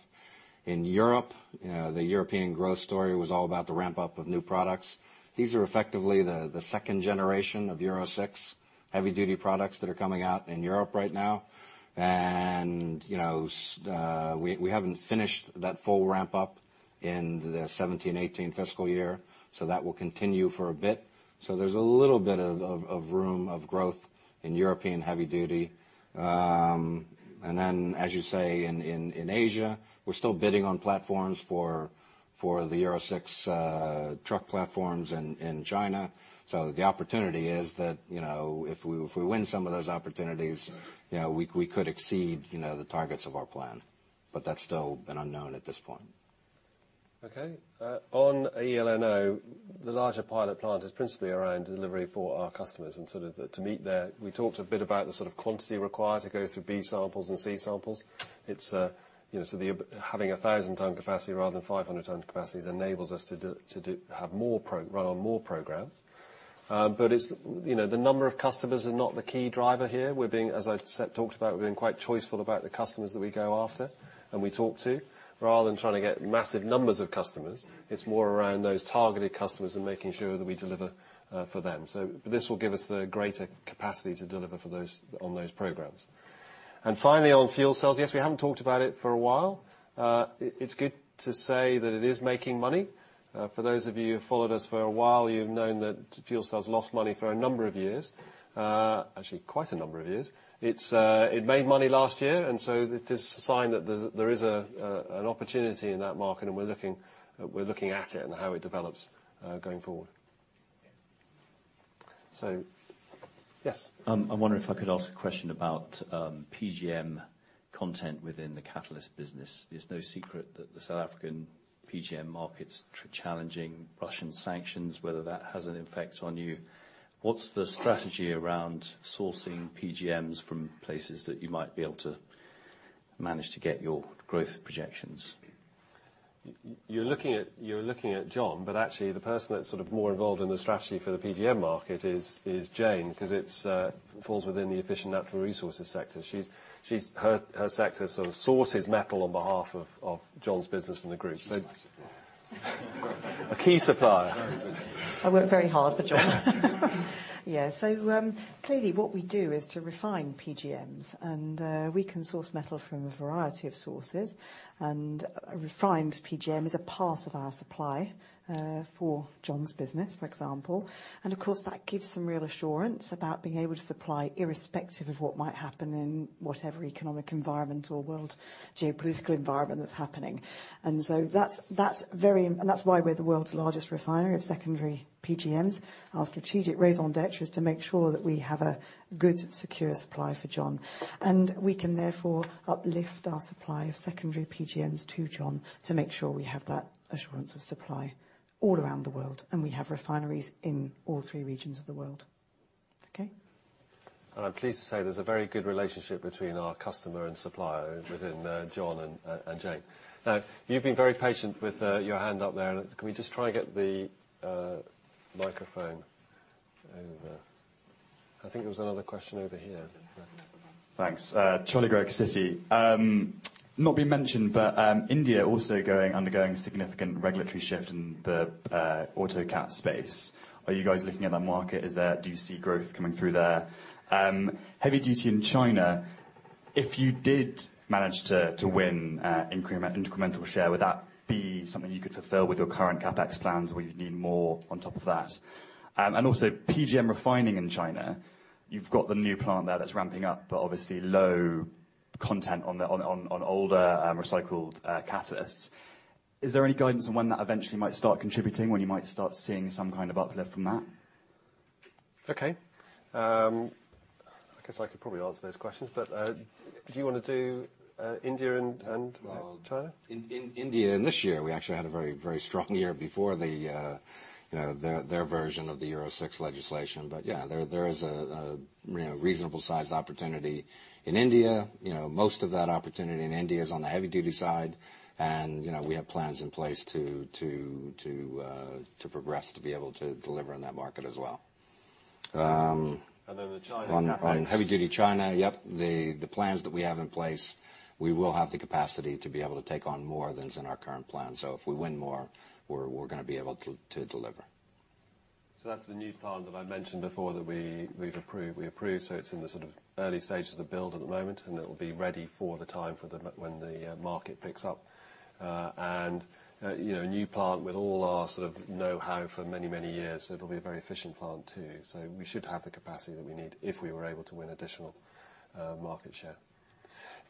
E: In Europe, the European growth story was all about the ramp-up of new products. These are effectively the second generation of Euro 6 heavy duty products that are coming out in Europe right now. We haven't finished that full ramp-up in the 2017-2018 fiscal year, so that will continue for a bit. There's a little bit of room of growth in European heavy duty. As you say, in Asia, we're still bidding on platforms for the Euro 6 truck platforms in China. The opportunity is that, if we win some of those opportunities, we could exceed the targets of our plan. That's still an unknown at this point.
A: Okay. On eLNO, the larger pilot plant is principally around delivery for our customers. We talked a bit about the sort of quantity required to go through B samples and C samples. Having a 1,000 ton capacity rather than 500 ton capacity enables us to run more programs. The number of customers are not the key driver here. We're being, as I talked about, we're being quite choiceful about the customers that we go after and we talk to, rather than trying to get massive numbers of customers. It's more around those targeted customers and making sure that we deliver for them. This will give us the greater capacity to deliver on those programs. Finally, on fuel cells, yes, we haven't talked about it for a while. It's good to say that it is making money. For those of you who've followed us for a while, you've known that fuel cells lost money for a number of years. Actually, quite a number of years. It made money last year, it is a sign that there is an opportunity in that market, we're looking at it and how it develops going forward. Yes?
L: I wonder if I could ask a question about PGM content within the catalyst business. It's no secret that the South African PGM market's challenging. Russian sanctions, whether that has an effect on you. What's the strategy around sourcing PGMs from places that you might be able to manage to get your growth projections?
A: You're looking at John, but actually, the person that's more involved in the strategy for the PGM market is Jane, because it falls within the Efficient Natural Resources sector. Her sector sort of sources metal on behalf of John's business in the group.
E: She's my supplier.
A: A key supplier.
E: Very good.
H: Clearly what we do is to refine PGMs, and we can source metal from a variety of sources. A refined PGM is a part of our supply for John's business, for example. Of course, that gives some real assurance about being able to supply irrespective of what might happen in whatever economic environment or world geopolitical environment that's happening. That's why we're the world's largest refinery of secondary PGMs. Our strategic raison d'être is to make sure that we have a good, secure supply for John. We can therefore uplift our supply of secondary PGMs to John to make sure we have that assurance of supply all around the world, and we have refineries in all three regions of the world. Okay.
A: I'm pleased to say there's a very good relationship between our customer and supplier within John and Jane. You've been very patient with your hand up there. Can we just try and get the microphone over? I think there was another question over here.
M: Thanks. Charlie Gregg, Citi. Not been mentioned, India also undergoing significant regulatory shift in the auto cat space. Are you guys looking at that market? Do you see growth coming through there? Heavy duty in China, if you did manage to win incremental share, would that be something you could fulfill with your current CapEx plans, or you'd need more on top of that? Also PGM refining in China, you've got the new plant there that's ramping up, but obviously low content on older recycled catalysts. Is there any guidance on when that eventually might start contributing? When you might start seeing some kind of uplift from that?
A: Okay. I guess I could probably answer those questions, but do you want to do India and China?
E: In India, in this year, we actually had a very strong year before their version of the Euro 6 legislation. Yeah, there is a reasonable sized opportunity in India. Most of that opportunity in India is on the heavy duty side, and we have plans in place to progress to be able to deliver in that market as well.
A: Then the China CapEx.
E: On heavy duty China, yep. The plans that we have in place, we will have the capacity to be able to take on more than is in our current plan. If we win more, we're going to be able to deliver.
A: That's the new plan that I mentioned before that we've approved. It's in the sort of early stages of the build at the moment, and it'll be ready for the time for when the market picks up. A new plant with all our sort of knowhow for many, many years. It'll be a very efficient plant, too. We should have the capacity that we need if we were able to win additional market share.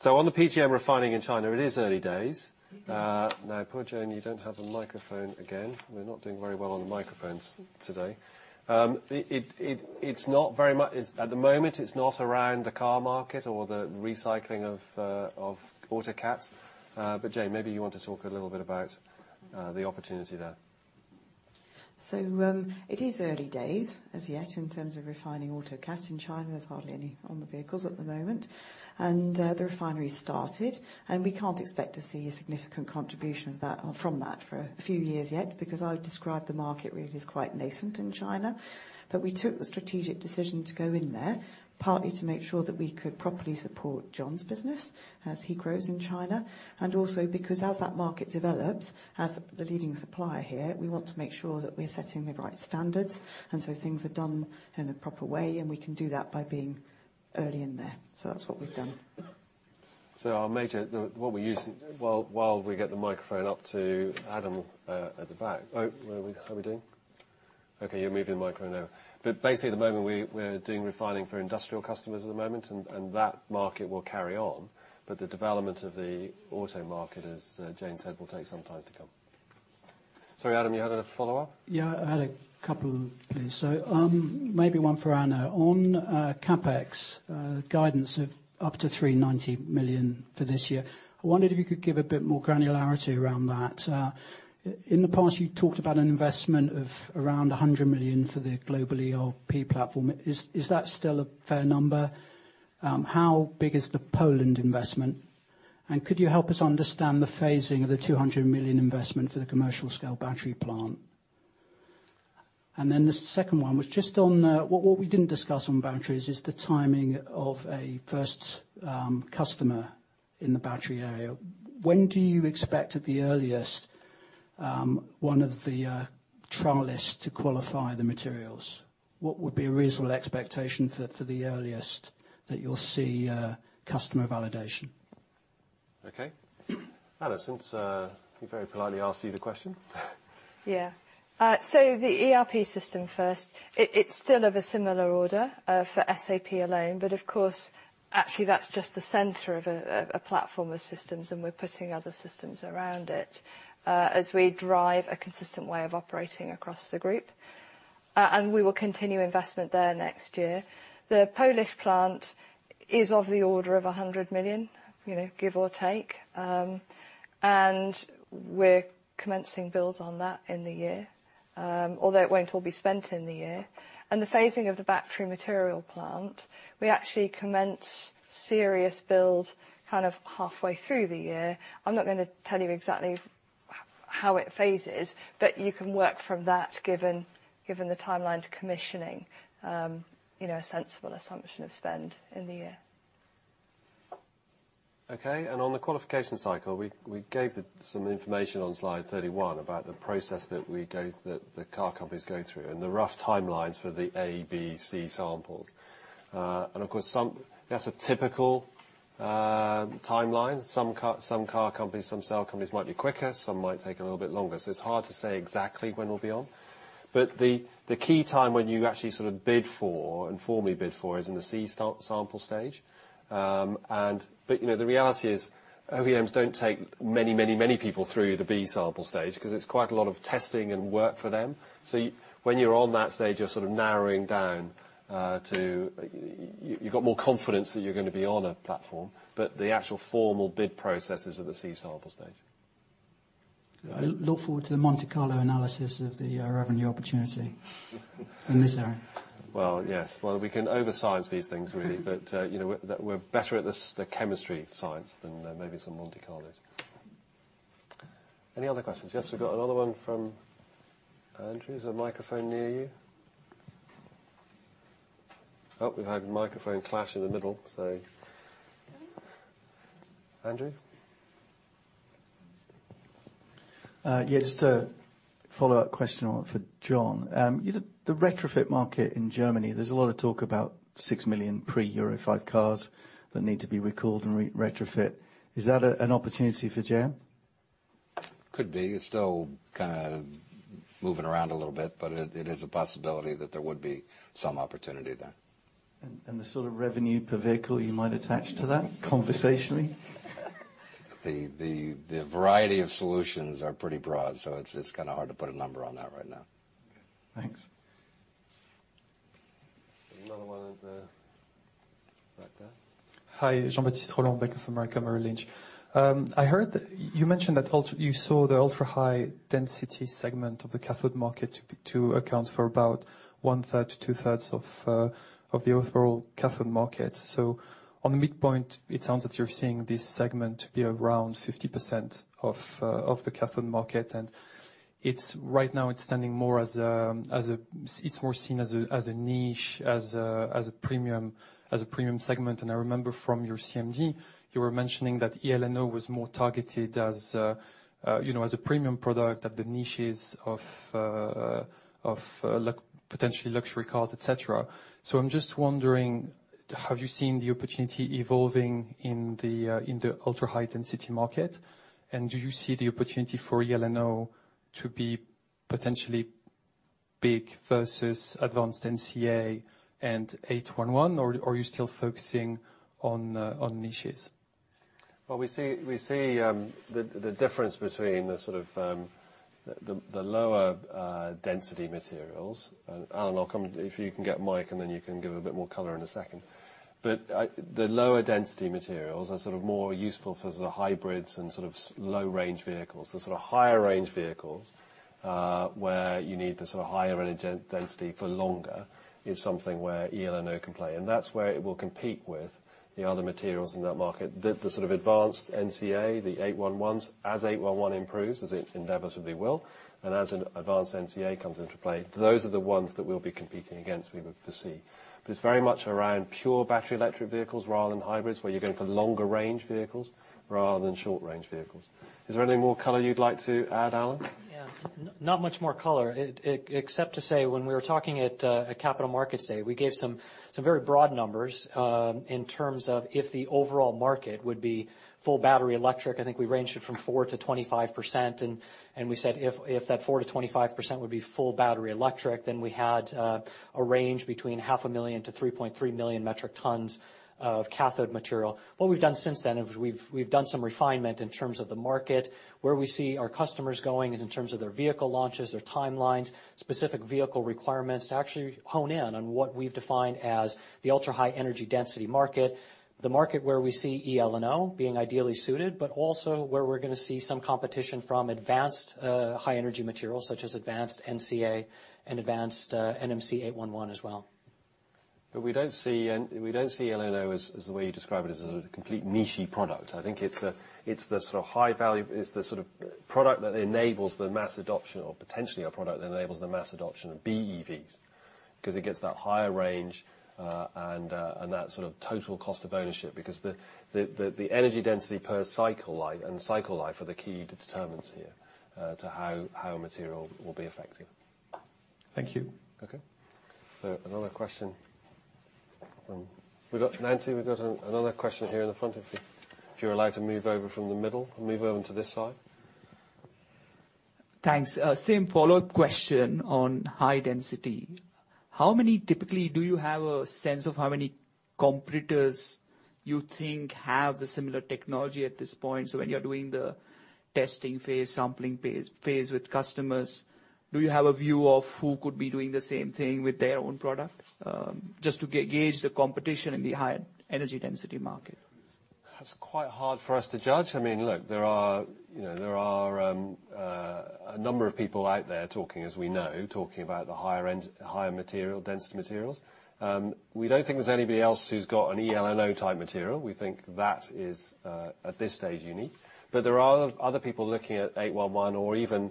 A: On the PGM refining in China, it is early days. Poor Jane, you don't have a microphone again. We're not doing very well on the microphones today. At the moment, it's not around the car market or the recycling of auto cats. Jane, maybe you want to talk a little bit about the opportunity there.
H: It is early days as yet in terms of refining auto cat in China. There's hardly any on the vehicles at the moment. The refinery's started, and we can't expect to see a significant contribution from that for a few years yet, because I would describe the market really as quite nascent in China. We took the strategic decision to go in there, partly to make sure that we could properly support John's business as he grows in China. Also because as that market develops, as the leading supplier here, we want to make sure that we're setting the right standards. Things are done in a proper way, and we can do that by being early in there. That's what we've done.
A: While we get the microphone up to Adam at the back. How are we doing? You're moving the micro now. Basically, at the moment, we're doing refining for industrial customers at the moment, and that market will carry on, but the development of the auto market, as Jane said, will take some time to come. Sorry, Adam, you had a follow-up?
D: I had a couple, please. Maybe one for Anna. On CapEx guidance of up to 390 million for this year, I wondered if you could give a bit more granularity around that. In the past, you talked about an investment of around 100 million for the global ERP platform. Is that still a fair number? How big is the Poland investment? Could you help us understand the phasing of the 200 million investment for the commercial scale battery plant? The second one was just on what we didn't discuss on batteries is the timing of a first customer in the battery area. When do you expect at the earliest one of the trialists to qualify the materials? What would be a reasonable expectation for the earliest that you'll see customer validation?
A: Okay. Anna, since he very politely asked you the question.
B: Yeah. The ERP system first, it's still of a similar order for SAP alone. Of course, actually that's just the center of a platform of systems, and we're putting other systems around it as we drive a consistent way of operating across the group. We will continue investment there next year. The Polish plant is of the order of 100 million, give or take. We're commencing build on that in the year. Although it won't all be spent in the year. The phasing of the battery material plant, we actually commence serious build kind of halfway through the year. I'm not going to tell you exactly how it phases, but you can work from that given the timeline to commissioning, a sensible assumption of spend in the year.
A: Okay. On the qualification cycle, we gave some information on slide 31 about the process that the car companies go through and the rough timelines for the A, B, C samples. Of course, that's a typical timeline. Some car companies, some cell companies might be quicker, some might take a little bit longer. It's hard to say exactly when we'll be on. The key time when you actually sort of bid for and formally bid for is in the C sample stage. The reality is OEMs don't take many people through the B sample stage because it's quite a lot of testing and work for them. When you're on that stage, you're sort of narrowing down. You've got more confidence that you're going to be on a platform. The actual formal bid process is at the C sample stage.
D: I look forward to the Monte Carlo analysis of the revenue opportunity in this area.
A: Well, yes. Well, we can over science these things, really, but we're better at the chemistry science than maybe some Monte Carlos. Any other questions? Yes, we've got another one from Andrew. Is there a microphone near you? Oh, we've had microphone clash in the middle, so Andrew.
C: Yeah, just a follow-up question for John. The retrofit market in Germany, there's a lot of talk about 6 million pre-Euro 5 cars that need to be recalled and retrofit. Is that an opportunity for JM?
E: Could be. It's still kind of moving around a little bit, but it is a possibility that there would be some opportunity there.
C: The sort of revenue per vehicle you might attach to that, conversationally?
E: The variety of solutions are pretty broad, so it's kind of hard to put a number on that right now.
C: Thanks.
A: Another one at the back there.
N: Hi, Jean-Baptiste Rolland, Bank of America, Merrill Lynch. I heard you mentioned that you saw the ultra-high density segment of the cathode market to account for about one third to two thirds of the overall cathode market. On the midpoint, it sounds that you're seeing this segment to be around 50% of the cathode market, and right now it's more seen as a niche, as a premium segment. I remember from your CMD, you were mentioning that eLNO was more targeted as a premium product at the niches of potentially luxury cars, et cetera. I'm just wondering, have you seen the opportunity evolving in the ultra-high density market? Do you see the opportunity for eLNO to be potentially big versus advanced NCA and 811, or are you still focusing on niches?
A: Well, we see the difference between the sort of lower density materials. Alan, if you can get a mic, then you can give a bit more color in a second. The lower density materials are more useful for the hybrids and sort of low-range vehicles. The sort of higher range vehicles, where you need the sort of higher energy density for longer, is something where eLNO can play, and that's where it will compete with the other materials in that market. The sort of advanced NCA, the 811s, as 811 improves, as it inevitably will, and as advanced NCA comes into play, those are the ones that we'll be competing against, we would foresee. It's very much around pure battery electric vehicles rather than hybrids, where you're going for longer range vehicles rather than short-range vehicles. Is there any more color you'd like to add, Alan?
I: Yeah. Not much more color, except to say when we were talking at Capital Markets Day, we gave some very broad numbers, in terms of if the overall market would be full battery electric. I think we ranged it from 4%-25%, and we said if that 4%-25% would be full battery electric, then we had a range between 500,000-3.3 million metric tons of cathode material. What we've done since then, is we've done some refinement in terms of the market, where we see our customers going in terms of their vehicle launches, their timelines, specific vehicle requirements, to actually hone in on what we've defined as the ultra-high energy density market. The market where we see eLNO being ideally suited, also where we're going to see some competition from advanced high energy materials such as advanced NCA and advanced NMC 811 as well.
A: We don't see eLNO as the way you describe it, as a sort of complete niche-y product. I think it's the sort of product that enables the mass adoption, or potentially a product that enables the mass adoption of BEVs, because it gets that higher range, and that sort of total cost of ownership. The energy density per cycle life and the cycle life are the key determinants here to how a material will be effective.
O: Thank you.
A: Okay. Another question from Nancy, we've got another question here in the front, if you're allowed to move over from the middle and move over to this side.
F: Thanks. Same follow-up question on high density. How many typically do you have a sense of how many competitors you think have the similar technology at this point? When you're doing the testing phase, sampling phase with customers, do you have a view of who could be doing the same thing with their own product? Just to gauge the competition in the high energy density market.
A: That's quite hard for us to judge. I mean, look, there are a number of people out there talking, as we know, talking about the higher density materials. We don't think there's anybody else who's got an eLNO type material. We think that is, at this stage, unique. There are other people looking at eight one one or even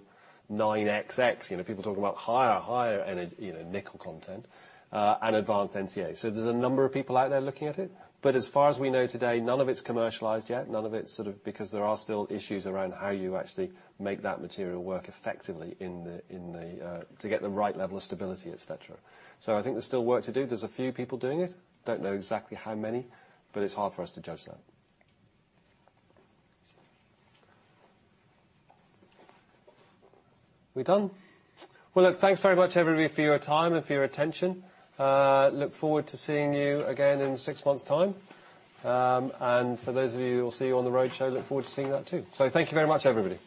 A: nine XX. People talking about higher nickel content, and advanced NCA. There's a number of people out there looking at it. As far as we know today, none of it's commercialized yet. None of it's sort of because there are still issues around how you actually make that material work effectively to get the right level of stability, et cetera. I think there's still work to do. There's a few people doing it. Don't know exactly how many, but it's hard for us to judge that. We done? Well, look, thanks very much, everybody, for your time and for your attention. Look forward to seeing you again in six months time. For those of you who we'll see you on the roadshow, look forward to seeing that, too. Thank you very much, everybody.